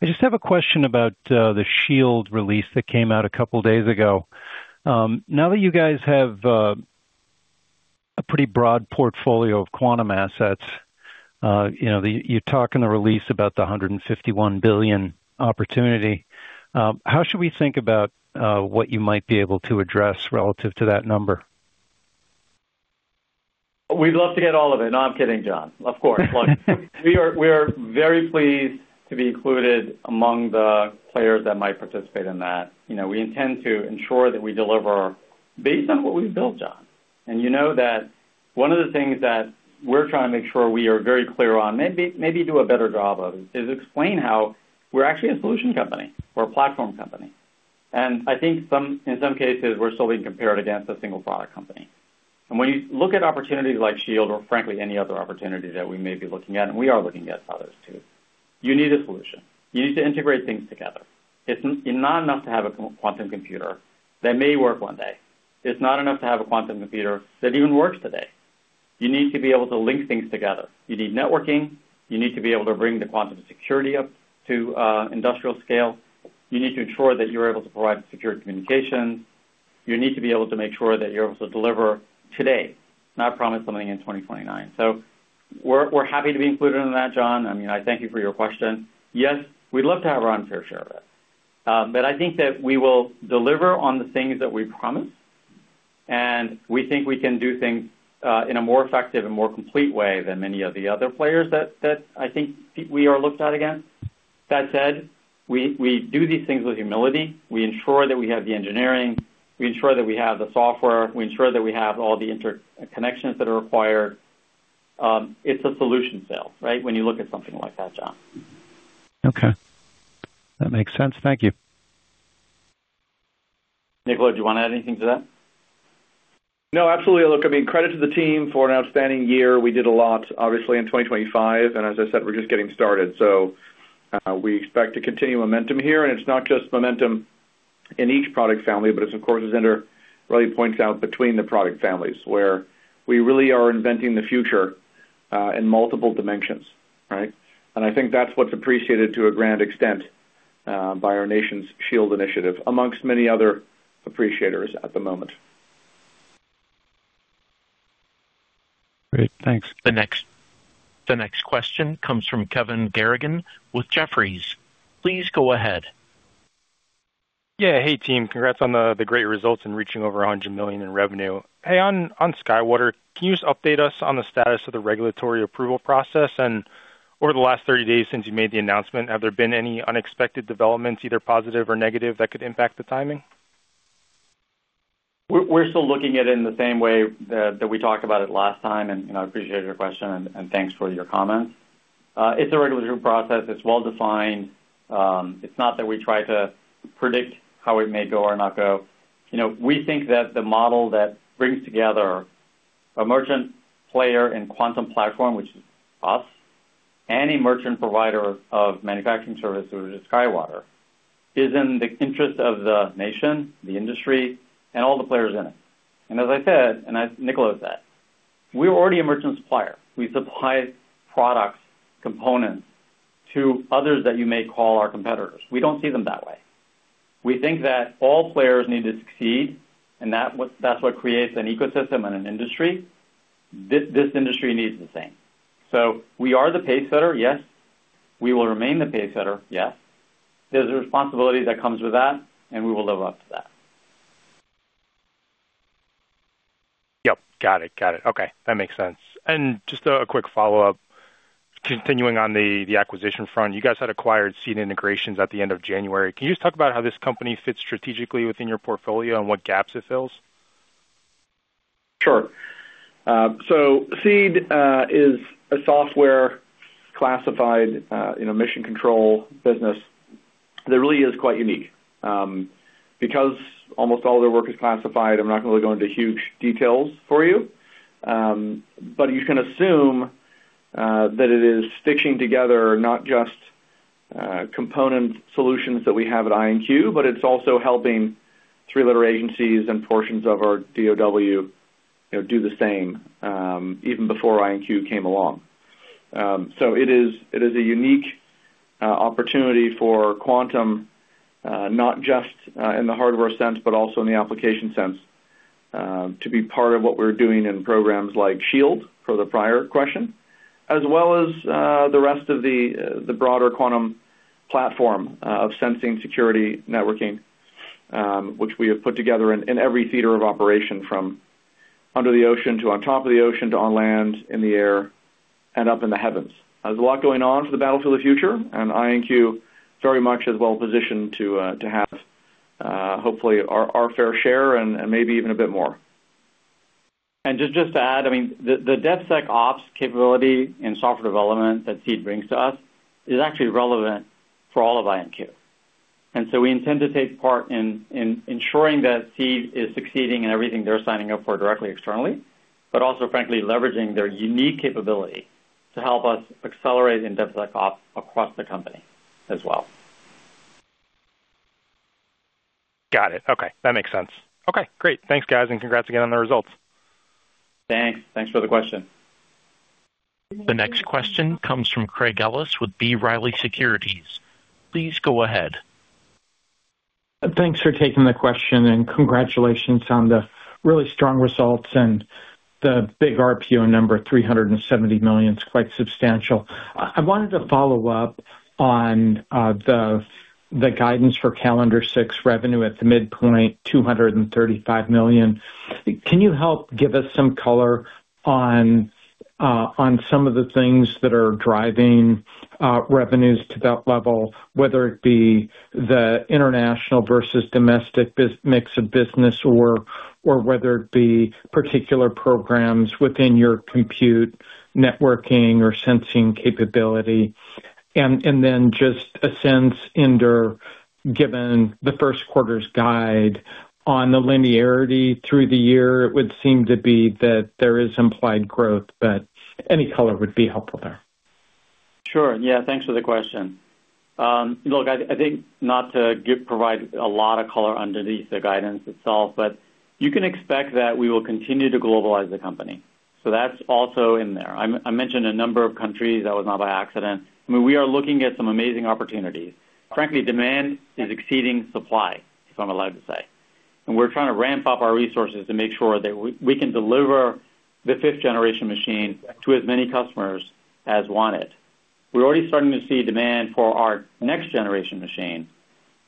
just have a question about the SHIELD release that came out a couple days ago. Now that you guys have a pretty broad portfolio of quantum assets, you know, you talk in the release about the $151 billion opportunity. How should we think about what you might be able to address relative to that number? We'd love to get all of it. No, I'm kidding, John. Of course. Look, we are very pleased to be included among the players that might participate in that. You know, we intend to ensure that we deliver based on what we've built, John. You know that one of the things that we're trying to make sure we are very clear on, maybe do a better job of, is explain how we're actually a solution company. We're a platform company, and I think in some cases, we're still being compared against a single product company. When you look at opportunities like SHIELD or frankly, any other opportunity that we may be looking at, and we are looking at others too, you need a solution. You need to integrate things together. It's not enough to have a quantum computer that may work one day. It's not enough to have a quantum computer that even works today. You need to be able to link things together. You need networking. You need to be able to bring the quantum security up to industrial scale. You need to ensure that you're able to provide secure communication. You need to be able to make sure that you're able to deliver today, not promise something in 2029. We're happy to be included in that, John. I mean, I thank you for your question. Yes, we'd love to have our unfair share of it, but I think that we will deliver on the things that we've promised, and we think we can do things in a more effective and more complete way than many of the other players that I think we are looked at again. That said, we do these things with humility. We ensure that we have the engineering, we ensure that we have the software, we ensure that we have all the interconnections that are required. It's a solution sale, right? When you look at something like that, John. Okay, that makes sense. Thank you. Niccolo, do you want to add anything to that? No, absolutely. Look, I mean, credit to the team for an outstanding year. We did a lot, obviously, in 2025, as I said, we're just getting started. We expect to continue momentum here, and it's not just momentum in each product family, but it's of course, as Inder really points out, between the product families, where we really are inventing the future, in multiple dimensions, right? I think that's what's appreciated to a grand extent, by our nation's SHIELD initiative, amongst many other appreciators at the moment. Great. Thanks. The next question comes from Kevin Garrigan with Jefferies. Please go ahead. Yeah. Hey, team. Congrats on the great results in reaching over $100 million in revenue. Hey, on SkyWater, can you just update us on the status of the regulatory approval process? Over the last 30 days since you made the announcement, have there been any unexpected developments, either positive or negative, that could impact the timing? We're still looking at it in the same way, that we talked about it last time, and I appreciate your question and thanks for your comments. It's a regulatory process. It's well-defined. It's not that we try to predict how it may go or not go. You know, we think that the model that brings together a merchant player in quantum platform, which is us, and a merchant provider of manufacturing services, SkyWater, is in the interest of the nation, the industry, and all the players in it. As I said, and as Nicolas said, we're already a merchant supplier. We supply products, components to others that you may call our competitors. We don't see them that way. We think that all players need to succeed, and that's what creates an ecosystem and an industry. This industry needs the same. We are the pacesetter? Yes. We will remain the pacesetter? Yes. There's a responsibility that comes with that, and we will live up to that. Yep, got it. Okay, that makes sense. Just a quick follow-up, continuing on the acquisition front. You guys had acquired SEED Innovations at the end of January. Can you just talk about how this company fits strategically within your portfolio and what gaps it fills? Sure. Seed is a software classified, you know, mission control business that really is quite unique. Because almost all of their work is classified, I'm not going to go into huge details for you, but you can assume that it is stitching together not just component solutions that we have at IonQ, but it's also helping three letter agencies and portions of our DOD, you know, do the same, even before IonQ came along. It is a unique-... Opportunity for quantum, not just in the hardware sense, but also in the application sense, to be part of what we're doing in programs like SHIELD for the prior question, as well as the rest of the broader quantum platform, of sensing security networking, which we have put together in every theater of operation, from under the ocean to on top of the ocean, to on land, in the air, and up in the heavens. There's a lot going on for the battle to the future. IonQ very much is well positioned to have hopefully our fair share and maybe even a bit more. Just to add, I mean, the DevSecOps capability in software development that Seed brings to us is actually relevant for all of IonQ. We intend to take part in ensuring that Seed is succeeding in everything they're signing up for directly, externally, but also frankly leveraging their unique capability to help us accelerate in DevSecOps across the company as well. Got it. Okay, that makes sense. Okay, great. Thanks, guys, and congrats again on the results. Thanks. Thanks for the question. The next question comes from Craig Ellis with B. Riley Securities. Please go ahead. Thanks for taking the question, congratulations on the really strong results and the big RPO number, $370 million. It's quite substantial. I wanted to follow up on the guidance for calendar six revenue at the midpoint, $235 million. Can you help give us some color on some of the things that are driving revenues to that level, whether it be the international versus domestic mix of business or whether it be particular programs within your compute, networking, or sensing capability? Then just a sense, Inder, given the first quarter's guide on the linearity through the year, it would seem to be that there is implied growth, but any color would be helpful there. Sure. Yeah, thanks for the question. Look, I think not to give, provide a lot of color under the guidance itself, but you can expect that we will continue to globalize the company. That's also in there. I mentioned a number of countries. That was not by accident. I mean, we are looking at some amazing opportunities. Frankly, demand is exceeding supply, if I'm allowed to say, and we're trying to ramp up our resources to make sure that we can deliver the 5th generation machine to as many customers as want it. We're already starting to see demand for our next generation machine,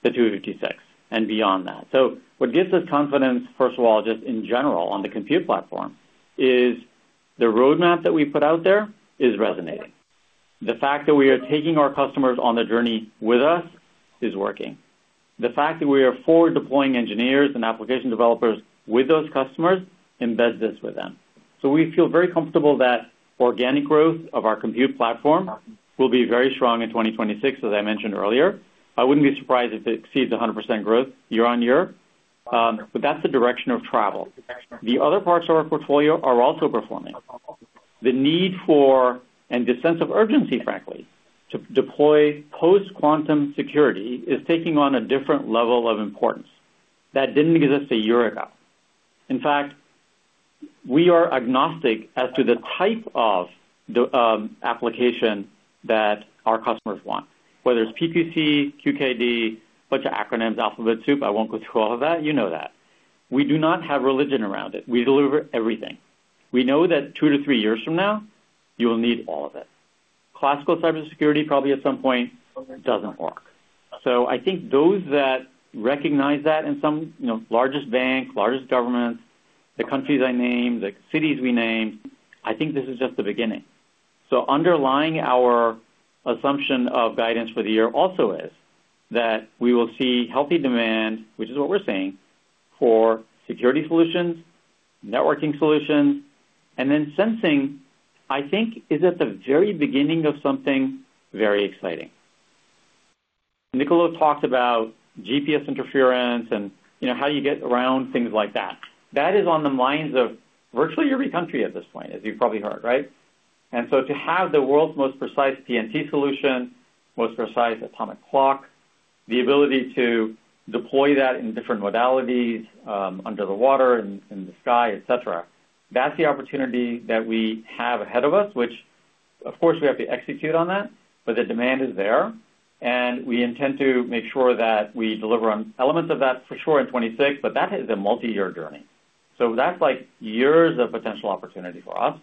the 256, and beyond that. What gives us confidence, first of all, just in general on the compute platform, is the roadmap that we put out there is resonating. The fact that we are taking our customers on the journey with us is working. The fact that we are forward deploying engineers and application developers with those customers embeds this with them. We feel very comfortable that organic growth of our compute platform will be very strong in 2026, as I mentioned earlier. I wouldn't be surprised if it exceeds 100% growth year-on-year, but that's the direction of travel. The other parts of our portfolio are also performing. The need for, and the sense of urgency, frankly, to deploy Post-Quantum Security is taking on a different level of importance that didn't exist a year ago. In fact, we are agnostic as to the type of the application that our customers want, whether it's PQC, QKD, bunch of acronyms, alphabet soup. I won't go through all of that. You know that. We do not have religion around it. We deliver everything. We know that two to three years from now, you'll need all of it. Classical cybersecurity probably at some point doesn't work. I think those that recognize that in some, you know, largest banks, largest governments, the countries I named, the cities we named, I think this is just the beginning. Underlying our assumption of guidance for the year also is that we will see healthy demand, which is what we're seeing, for security solutions, networking solutions, and then sensing, I think, is at the very beginning of something very exciting. Niccolo talked about GPS interference and, you know, how you get around things like that. That is on the minds of virtually every country at this point, as you've probably heard, right? To have the world's most precise PNT solution, most precise atomic clock, the ability to deploy that in different modalities, under the water and in the sky, et cetera, that's the opportunity that we have ahead of us, which of course, we have to execute on that, but the demand is there, and we intend to make sure that we deliver on elements of that for sure in 2026, but that is a multi-year journey. That's like years of potential opportunity for us.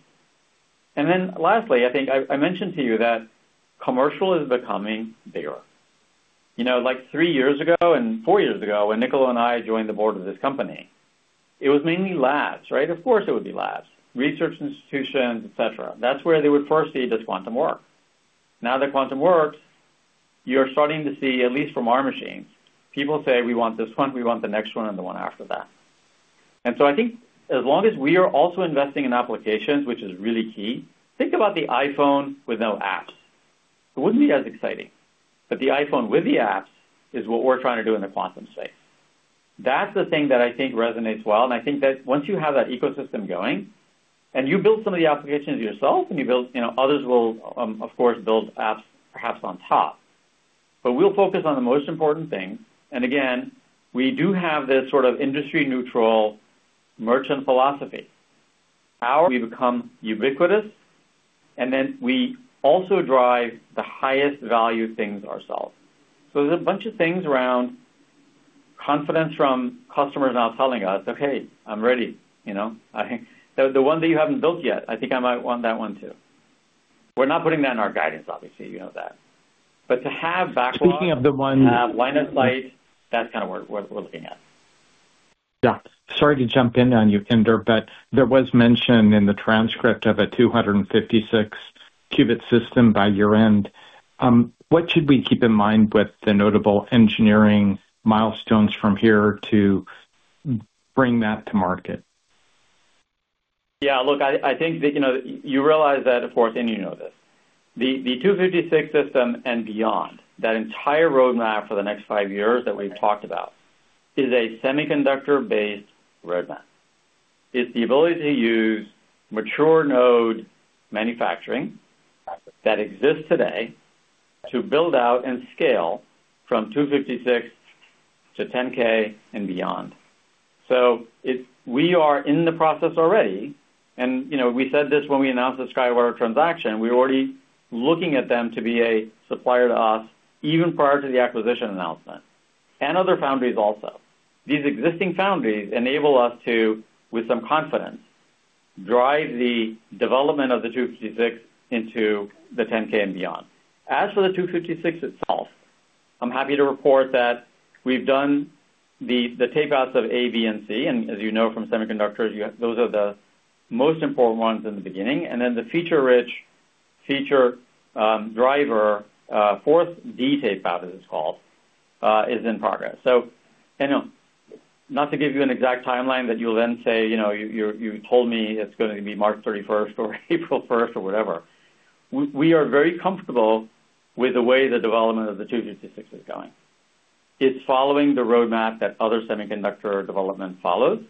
Then lastly, I think I mentioned to you that commercial is becoming bigger. You know, like 3 years ago and 4 years ago, when Niccolo and I joined the board of this company, it was mainly labs, right? Of course, it would be labs, research institutions, et cetera. That's where they would first see, does quantum work? Now that quantum works, you're starting to see, at least from our machines, people say: We want this one, we want the next one, and the one after that. So I think as long as we are also investing in applications, which is really key... Think about the iPhone with no apps. It wouldn't be as exciting, but the iPhone with the apps is what we're trying to do in the quantum space. That's the thing that I think resonates well, and I think that once you have that ecosystem going and you build some of the applications yourself and you know, others will, of course, build apps perhaps on top. We'll focus on the most important thing, and again, we do have this sort of industry-neutral merchant philosophy. How we become ubiquitous, and then we also drive the highest value things ourselves. There's a bunch of things around confidence from customers now telling us, "Okay, I'm ready," you know? "The one that you haven't built yet, I think I might want that one, too." We're not putting that in our guidance, obviously, you know that. To have backlog- Speaking of the one- line of sight, that's kind of what we're looking at. Sorry to jump in on you, Inder, but there was mention in the transcript of a 256-qubit system by year-end. What should we keep in mind with the notable engineering milestones from here to bring that to market? Look, I think that, you know, you realize that, of course, and you know this, the 256 system and beyond, that entire roadmap for the next 5 years that we've talked about, is a semiconductor-based roadmap. It's the ability to use mature node manufacturing that exists today, to build out and scale from 256 to 10K and beyond. We are in the process already, and, you know, we said this when we announced the SkyWater transaction, we're already looking at them to be a supplier to us, even prior to the acquisition announcement, and other foundries also. These existing foundries enable us to, with some confidence, drive the development of the 256 into the 10K and beyond. As for the 256 itself, I'm happy to report that we've done the tape outs of A, B, and C, and as you know from semiconductors, those are the most important ones in the beginning, and then the feature-rich, feature driver, fourth D tape out, as it's called, is in progress. You know, not to give you an exact timeline that you'll then say: You know, you told me it's going to be March 31st or April 1st, or whatever. We are very comfortable with the way the development of the 256 is going. It's following the roadmap that other semiconductor development follows.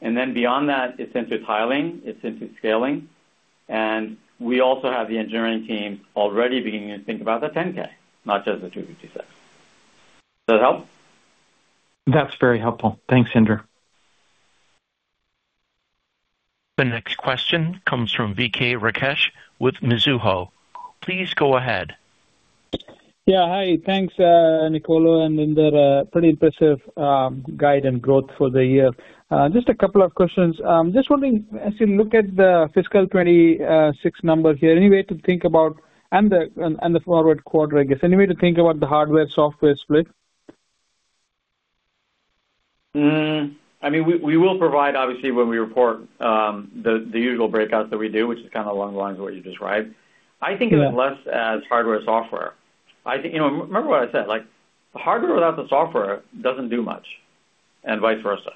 Then beyond that, it's into tiling, it's into scaling. We also have the engineering team already beginning to think about the 10K, not just the 256. Does that help? That's very helpful. Thanks, Inder. The next question comes from Vijay Rakesh with Mizuho. Please go ahead. Yeah, hi. Thanks, Niccolo and Inder, pretty impressive guide and growth for the year. Just 2 questions. Just wondering, as you look at the fiscal 2026 numbers here, and the forward quarter, I guess. Any way to think about the hardware-software split? I mean, we will provide, obviously, when we report, the usual breakouts that we do, which is kind of along the lines of what you described. Yeah. You know, remember what I said, like, hardware without the software doesn't do much, and vice versa.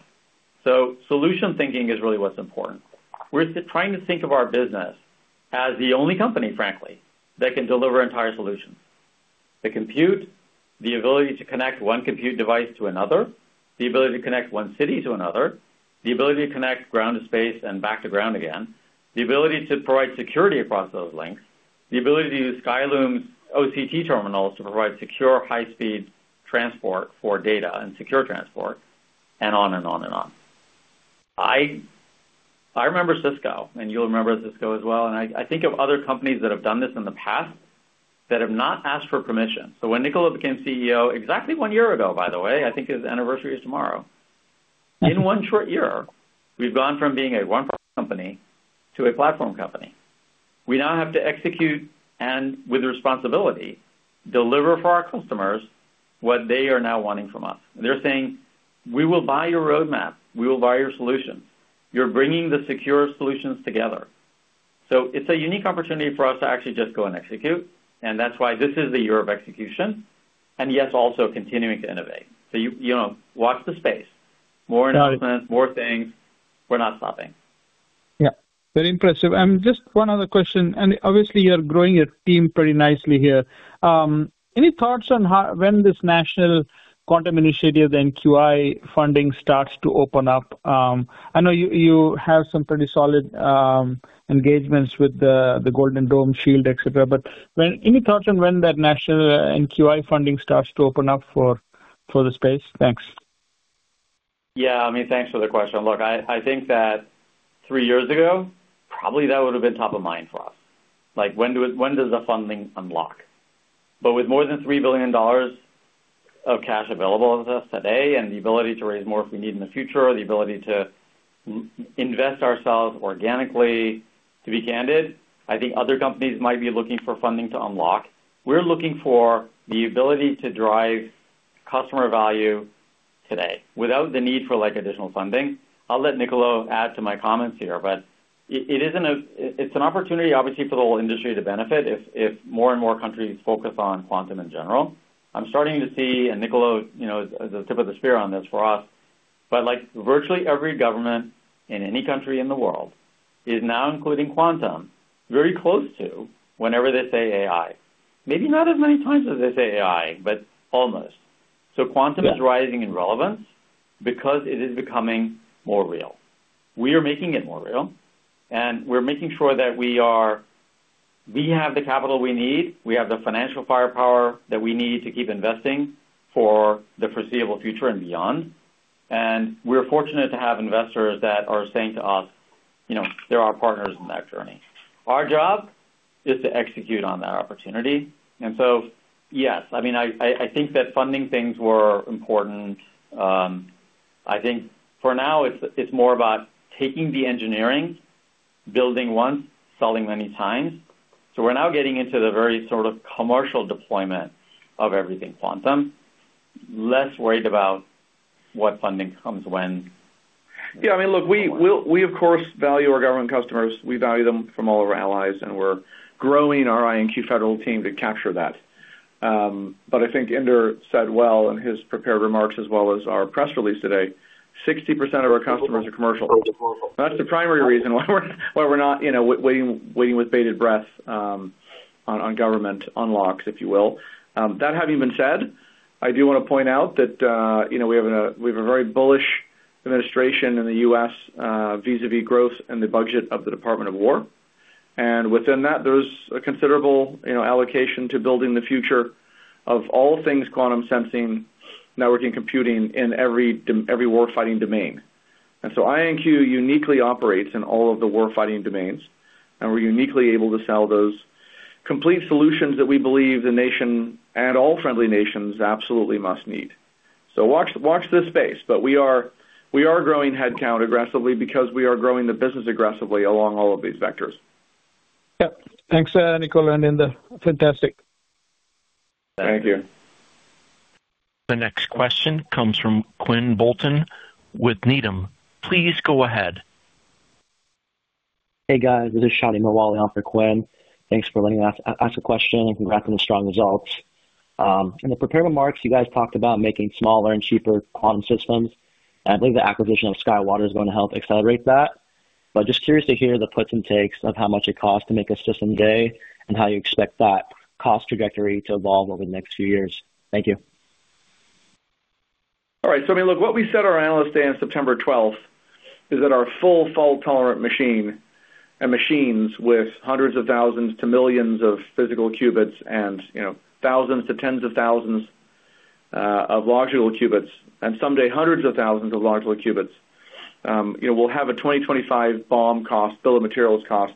Solution thinking is really what's important. We're trying to think of our business as the only company, frankly, that can deliver entire solutions. The compute, the ability to connect one compute device to another, the ability to connect one city to another, the ability to connect ground to space and back to ground again, the ability to provide security across those links, the ability to use Skyloom's OCT terminals to provide secure, high-speed transport for data and secure transport, and on and on and on. I remember Cisco, and you'll remember Cisco as well, and I think of other companies that have done this in the past that have not asked for permission. When Niccolo became CEO, exactly one year ago, by the way, I think his anniversary is tomorrow. In one short year, we've gone from being a one company to a platform company. We now have to execute, and with responsibility, deliver for our customers what they are now wanting from us. They're saying: We will buy your roadmap. We will buy your solutions. You're bringing the secure solutions together. It's a unique opportunity for us to actually just go and execute, and that's why this is the year of execution, and yes, also continuing to innovate. You, you know, watch the space. More announcements- Got it. More things. We're not stopping. Yeah, very impressive. Just one other question, and obviously, you're growing your team pretty nicely here. Any thoughts on when this National Quantum Initiative, NQI, funding starts to open up? I know you have some pretty solid engagements with the Golden Dome SHIELD, et cetera. Any thoughts on when that national NQI funding starts to open up for the space? Thanks. Yeah, I mean, thanks for the question. Look, I think that 3 years ago, probably that would have been top of mind for us. Like, when does the funding unlock? With more than $3 billion of cash available with us today, and the ability to raise more if we need in the future, or the ability to invest ourselves organically, to be candid, I think other companies might be looking for funding to unlock. We're looking for the ability to drive customer value today, without the need for, like, additional funding. I'll let Niccolo add to my comments here, but it isn't a. It's an opportunity, obviously, for the whole industry to benefit if more and more countries focus on quantum in general. I'm starting to see, and Niccolo, you know, is the tip of the spear on this for us, but, like, virtually every government in any country in the world is now including quantum, very close to whenever they say AI. Maybe not as many times as they say AI, but almost. Yeah. Quantum is rising in relevance because it is becoming more real. We are making it more real, we're making sure that we have the capital we need. We have the financial firepower that we need to keep investing for the foreseeable future and beyond. We're fortunate to have investors that are saying to us, you know, they're our partners in that journey. Our job is to execute on that opportunity. Yes, I mean, I think that funding things were important. I think for now, it's more about taking the engineering, building once, selling many times. We're now getting into the very sort of commercial deployment of everything quantum, less worried about what funding comes when. Yeah, I mean, look, we, of course, value our government customers. We value them from all of our allies, we're growing our IonQ federal team to capture that. I think Inder said well in his prepared remarks, as well as our press release today, 60% of our customers are commercial. That's the primary reason why we're not, you know, waiting with bated breath, on government unlocks, if you will. That having been said, I do want to point out that, you know, we have a very bullish administration in the U.S., vis-a-vis growth and the budget of the Department of War. Within that, there's a considerable, you know, allocation to building the future of all things quantum sensing, networking, computing in every war-fighting domain. IonQ uniquely operates in all of the war-fighting domains, and we're uniquely able to sell those complete solutions that we believe the nation and all friendly nations absolutely must need. Watch this space. We are growing headcount aggressively because we are growing the business aggressively along all of these vectors. Yep. Thanks, Nicole and Inder. Fantastic. Thank you. The next question comes from Quinn Bolton with Needham. Please go ahead. Hey, guys, this is Shaun Cunningham off for Quinn. Thanks for letting us ask a question. Congrats on the strong results. In the prepared remarks, you guys talked about making smaller and cheaper quantum systems, and I believe the acquisition of SkyWater is going to help accelerate that. Just curious to hear the puts and takes of how much it costs to make a system today and how you expect that cost trajectory to evolve over the next few years. Thank you. All right. I mean, look, what we said on our Analyst Day on September 12th is that our full fault-tolerant machine and machines with hundreds of thousands to millions of physical qubits and, you know, thousands to tens of thousands of logical qubits, and someday hundreds of thousands of logical qubits, will have a 2025 BOM cost, bill of materials cost,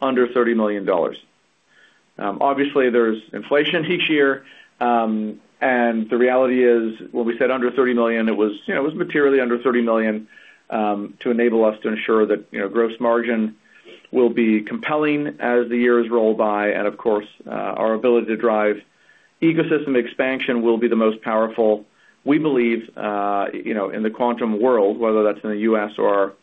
under $30 million. Obviously, there's inflation each year, the reality is, when we said under $30 million, it was, you know, it was materially under $30 million to enable us to ensure that, you know, gross margin will be compelling as the years roll by, and of course, our ability to drive ecosystem expansion will be the most powerful. We believe, you know, in the quantum world, whether that's in the US or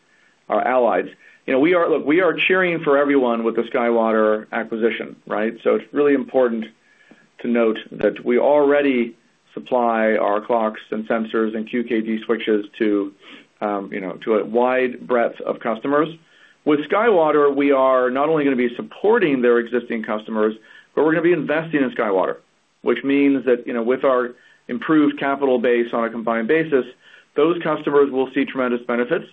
our allies. You know, Look, we are cheering for everyone with the SkyWater acquisition, right? It's really important to note that we already supply our clocks and sensors and QKD switches to, you know, to a wide breadth of customers. With SkyWater, we are not only going to be supporting their existing customers, but we're going to be investing in SkyWater. Which means that, you know, with our improved capital base on a combined basis, those customers will see tremendous benefits,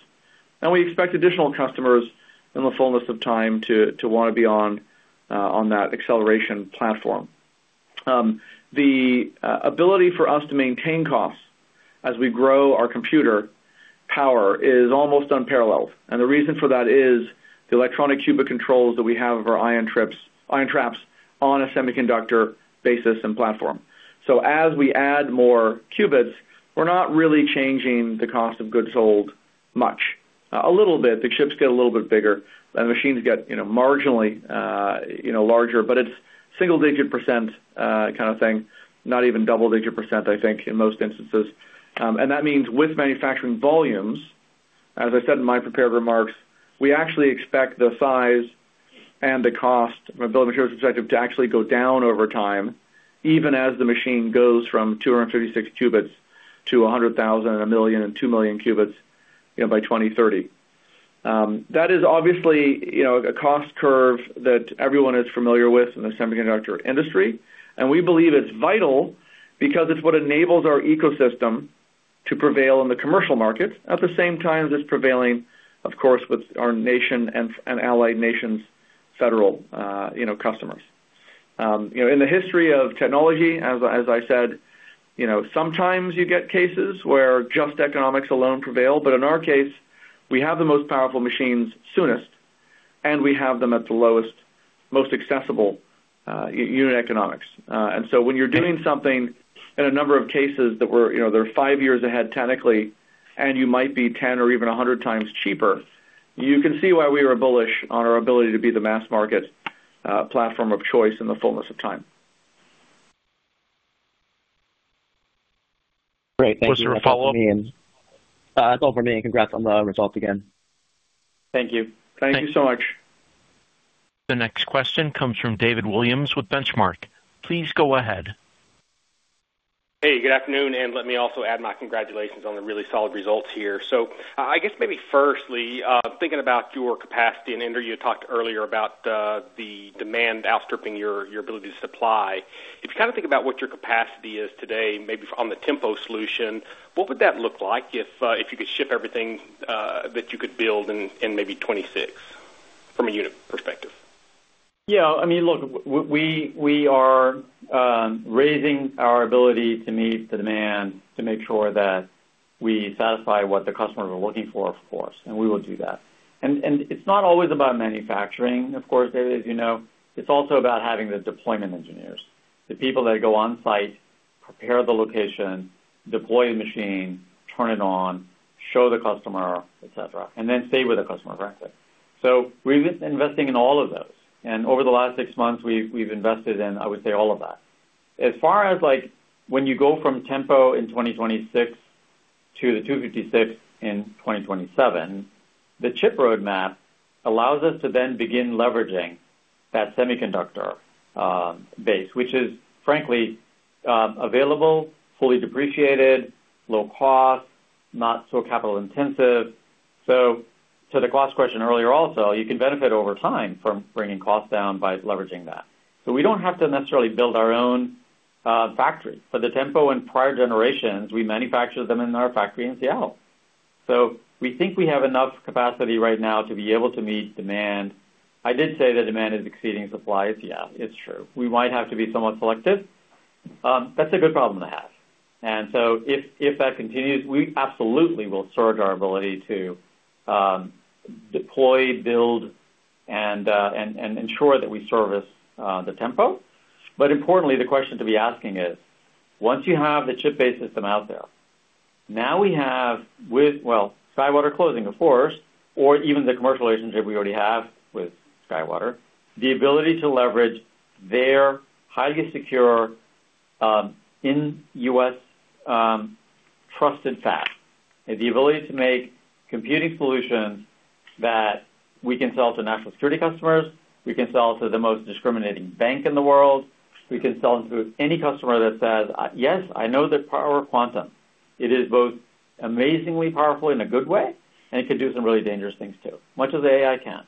and we expect additional customers in the fullness of time to want to be on that acceleration platform. The ability for us to maintain costs as we grow our computer power is almost unparalleled, and the reason for that is the electronic cubic controls that we have of our ion traps on a semiconductor basis and platform. As we add more qubits, we're not really changing the cost of goods sold much. A little bit, the chips get a little bit bigger, and the machines get, you know, marginally, you know, larger, but it's single-digit % kind of thing, not even double-digit %, I think, in most instances. And that means with manufacturing volumes, as I said in my prepared remarks, we actually expect the size and the cost from a bill of materials perspective to actually go down over time, even as the machine goes from 256 qubits to 100,000 and 1 million and 2 million qubits, you know, by 2030. That is obviously, you know, a cost curve that everyone is familiar with in the semiconductor industry, and we believe it's vital because it's what enables our ecosystem to prevail in the commercial markets. At the same time, it's prevailing, of course, with our nation and allied nations' federal, you know, customers. You know, in the history of technology, as I said, you know, sometimes you get cases where just economics alone prevail, but in our case, we have the most powerful machines soonest, and we have them at the lowest, most accessible unit economics. When you're doing something in a number of cases that we're, you know, they're 5 years ahead technically, and you might be 10 or even 100 times cheaper, you can see why we are bullish on our ability to be the mass market, platform of choice in the fullness of time. Great. Thank you. Was there a follow-up? That's all for me, and congrats on the result again. Thank you. Thank you so much. The next question comes from David Williams with Benchmark. Please go ahead. Hey, good afternoon, let me also add my congratulations on the really solid results here. I guess maybe firstly, thinking about your capacity, and Inder, you talked earlier about, the demand outstripping your ability to supply. If you kind of think about what your capacity is today, maybe on the Tempo solution, what would that look like if you could ship everything, that you could build in maybe 2026 from a unit perspective? I mean, look, we are raising our ability to meet the demand to make sure that we satisfy what the customers are looking for, of course, and we will do that. It's not always about manufacturing, of course, as you know, it's also about having the deployment engineers, the people that go on site, prepare the location, deploy the machine, turn it on, show the customer, et cetera, and then stay with the customer, right? We're investing in all of those, and over the last six months, we've invested in, I would say, all of that. As far as, like, when you go from Tempo in 2026 to the 256 in 2027, the chip roadmap allows us to then begin leveraging that semiconductor base, which is frankly available, fully depreciated, low cost, not so capital intensive. To the cost question earlier also, you can benefit over time from bringing costs down by leveraging that. We don't have to necessarily build our own factory. For the IonQ Tempo and prior generations, we manufactured them in our factory in Seattle. We think we have enough capacity right now to be able to meet demand. I did say that demand is exceeding supply. Yeah, it's true. We might have to be somewhat selective. That's a good problem to have. If that continues, we absolutely will surge our ability to deploy, build, and ensure that we service the IonQ Tempo. Importantly, the question to be asking is, once you have the chip-based system out there, now we have with... SkyWater closing, of course, or even the commercial relationship we already have with SkyWater, the ability to leverage their highly secure, in U.S., trusted fab, and the ability to make computing solutions that we can sell to national security customers, we can sell to the most discriminating bank in the world, we can sell to any customer that says, "Yes, I know the power of quantum. It is both amazingly powerful in a good way, and it could do some really dangerous things, too," much as AI can.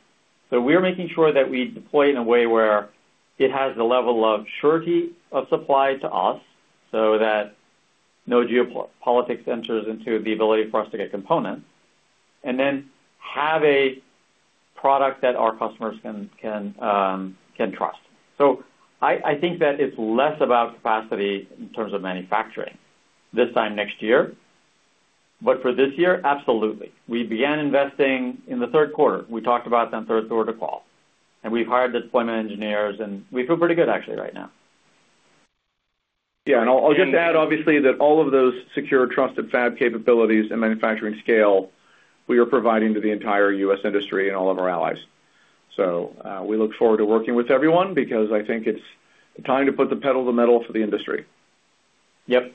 We're making sure that we deploy in a way where it has the level of surety of supply to us, so that no geopolitics enters into the ability for us to get components, and then have a product that our customers can trust. I think that it's less about capacity in terms of manufacturing this time next year, but for this year, absolutely. We began investing in the third quarter. We talked about that in third quarter call, we've hired the deployment engineers, and we feel pretty good, actually, right now. Yeah, I'll just add obviously that all of those secure, trusted fab capabilities and manufacturing scale we are providing to the entire U.S. industry and all of our allies. We look forward to working with everyone because I think it's the time to put the pedal to the metal for the industry. Yep.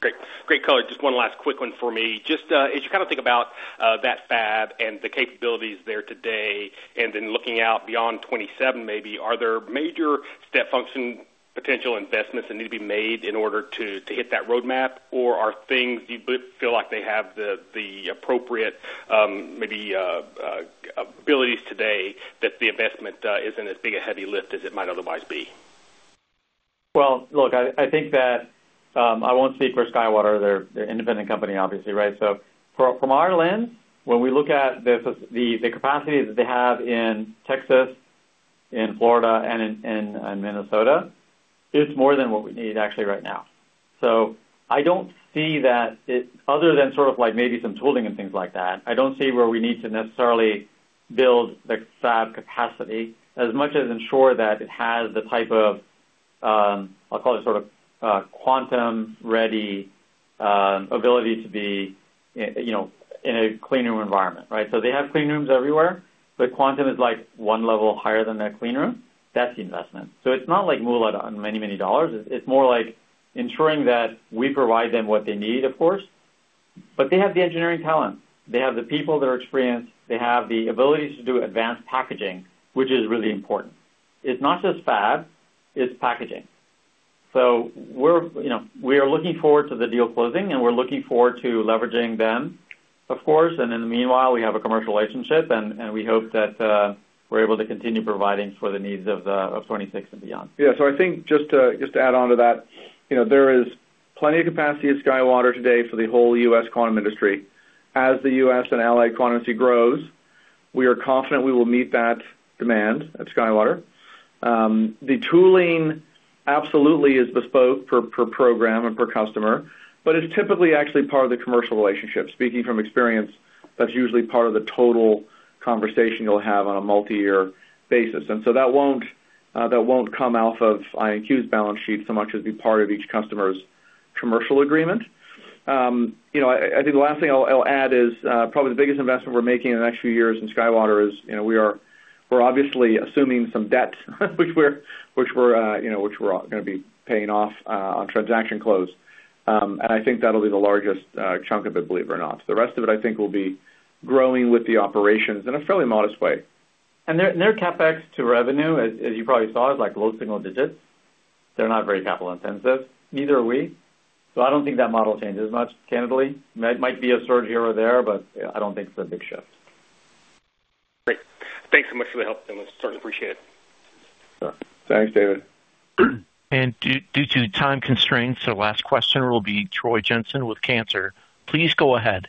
Great. Great call. Just one last quick one for me. Just, as you kind of think about, that fab and the capabilities there today, and then looking out beyond 27, maybe, are there major step function potential investments that need to be made in order to hit that roadmap? Or are things you feel like they have the appropriate, maybe, abilities today that the investment, isn't as big a heavy lift as it might otherwise be? Look, I think that I won't speak for SkyWater. They're an independent company, obviously, right? From our lens, when we look at the capacity that they have in Texas, in Florida, and in Minnesota, it's more than what we need actually right now. I don't see that other than sort of like maybe some tooling and things like that, I don't see where we need to necessarily build the fab capacity as much as ensure that it has the type of, I'll call it sort of, quantum-ready ability to be, you know, in a clean room environment, right? They have clean rooms everywhere, but quantum is, like, one level higher than their clean room. That's the investment. It's not like mulah on many dollars. It's more like ensuring that we provide them what they need, of course, but they have the engineering talent, they have the people that are experienced, they have the abilities to do advanced packaging, which is really important. It's not just fab, it's packaging. We are, you know, looking forward to the deal closing, and we're looking forward to leveraging them, of course. In the meanwhile, we have a commercial relationship, and we hope that we're able to continue providing for the needs of 26 and beyond. Yeah. I think just to add on to that, you know, there is plenty of capacity at SkyWater today for the whole U.S. quantum industry. As the U.S. and allied quantum industry grows, we are confident we will meet that demand at SkyWater. The tooling absolutely is bespoke for, per program and per customer, it's typically actually part of the commercial relationship. Speaking from experience, that's usually part of the total conversation you'll have on a multi-year basis. That won't come out of IonQ's balance sheet so much as be part of each customer's commercial agreement. You know, I think the last thing I'll add is probably the biggest investment we're making in the next few years in SkyWater is, you know, we're obviously assuming some debt, which we're, you know, which we're gonna be paying off on transaction close. I think that'll be the largest chunk of it, believe it or not. The rest of it, I think, will be growing with the operations in a fairly modest way. Their CapEx to revenue, as you probably saw, is like low single digits. They're not very capital intensive, neither are we. I don't think that model changes much, candidly. Might be a surge here or there. I don't think it's a big shift. Great. Thanks so much for the help, and we certainly appreciate it. Thanks, David. Due to time constraints, the last question will be Troy Jensen with Cantor. Please go ahead.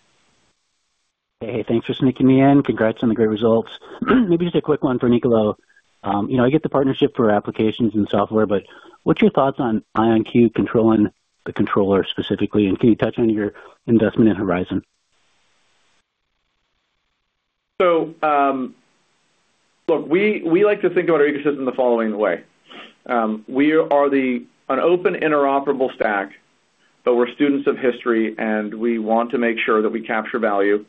Hey, thanks for sneaking me in. Congrats on the great results. Maybe just a quick one for Niccolo. You know, I get the partnership for applications and software, what's your thoughts on IonQ controlling the controller specifically? Can you touch on your investment in Horizon? Look, we like to think about our ecosystem the following way. We are an open, interoperable stack, but we're students of history, and we want to make sure that we capture value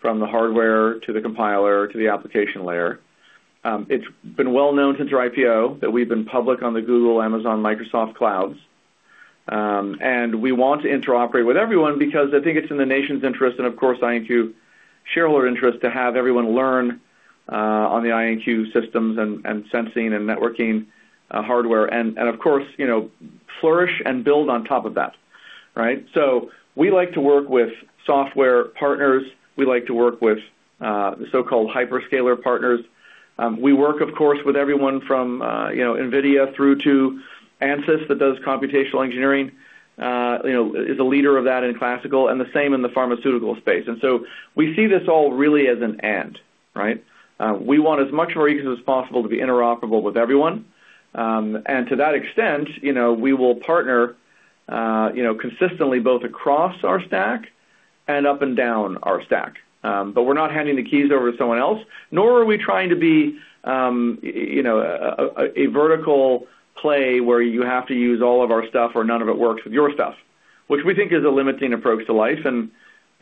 from the hardware to the compiler to the application layer. It's been well known since our IPO that we've been public on the Google, Amazon, Microsoft clouds. We want to interoperate with everyone because I think it's in the nation's interest and, of course, IonQ shareholder interest, to have everyone learn on the IonQ systems and sensing and networking hardware and, of course, you know, flourish and build on top of that, right? We like to work with software partners. We like to work with the so-called hyperscaler partners. We work, of course, with everyone from NVIDIA through to Ansys, that does computational engineering, you know, is a leader of that in classical and the same in the pharmaceutical space. We see this all really as an and, right? To that extent, you know, we will partner, you know, consistently both across our stack and up and down our stack. We're not handing the keys over to someone else, nor are we trying to be a vertical play where you have to use all of our stuff or none of it works with your stuff, which we think is a limiting approach to life. You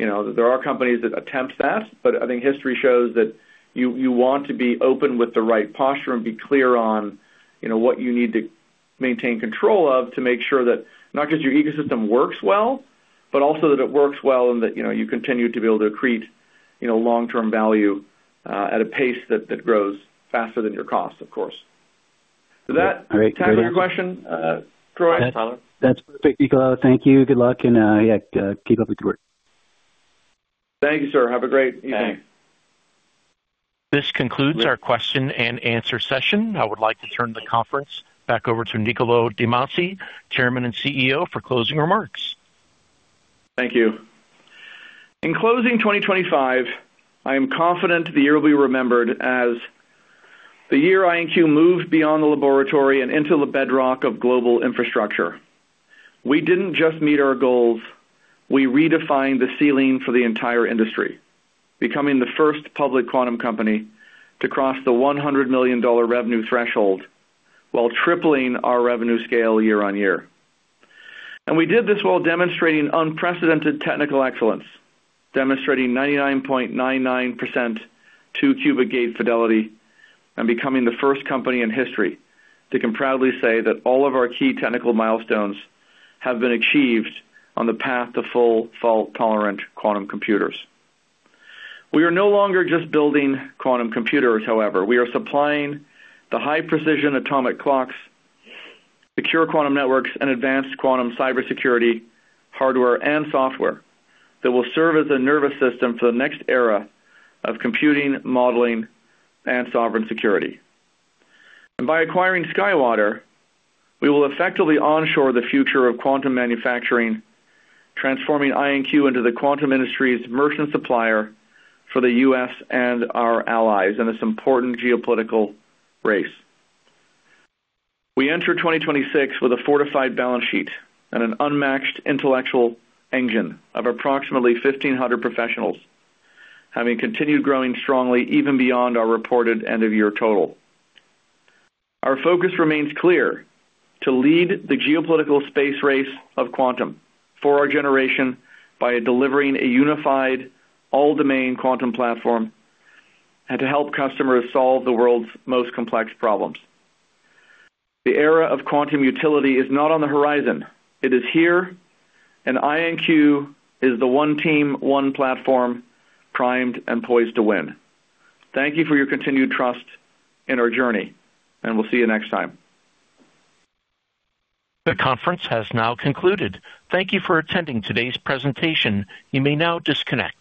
know, there are companies that attempt that, but I think history shows that you want to be open with the right posture and be clear on, you know, what you need to maintain control of, to make sure that not just your ecosystem works well, but also that it works well and that, you know, you continue to be able to accrete, you know, long-term value, at a pace that grows faster than your cost, of course. With that. All right. Time for your question, Troy Jensen. That's perfect, Niccolo. Thank you. Good luck, and, yeah, keep up with the work. Thank you, sir. Have a great evening. This concludes our question and answer session. I would like to turn the conference back over to Niccolo de Masi, Chairman and CEO, for closing remarks. Thank you. In closing 2025, I am confident the year will be remembered as the year IonQ moved beyond the laboratory and into the bedrock of global infrastructure. We didn't just meet our goals. We redefined the ceiling for the entire industry, becoming the first public quantum company to cross the $100 million revenue threshold while tripling our revenue scale year-on-year. We did this while demonstrating unprecedented technical excellence, demonstrating 99.99% two-qubit gate fidelity, and becoming the first company in history that can proudly say that all of our key technical milestones have been achieved on the path to full fault-tolerant quantum computers. We are no longer just building quantum computers, however, we are supplying the high-precision atomic clocks, secure quantum networks, and advanced quantum cybersecurity, hardware and software, that will serve as a nervous system for the next era of computing, modeling, and sovereign security. By acquiring SkyWater, we will effectively onshore the future of quantum manufacturing, transforming IonQ into the quantum industry's merchant supplier for the U.S. and our allies in this important geopolitical race. We enter 2026 with a fortified balance sheet and an unmatched intellectual engine of approximately 1,500 professionals, having continued growing strongly even beyond our reported end-of-year total. Our focus remains clear: to lead the geopolitical space race of quantum for our generation by delivering a unified all-domain quantum platform and to help customers solve the world's most complex problems. The era of quantum utility is not on the horizon, it is here. IonQ is the one team, one platform, primed and poised to win. Thank you for your continued trust in our journey. We'll see you next time. The conference has now concluded. Thank you for attending today's presentation. You may now disconnect.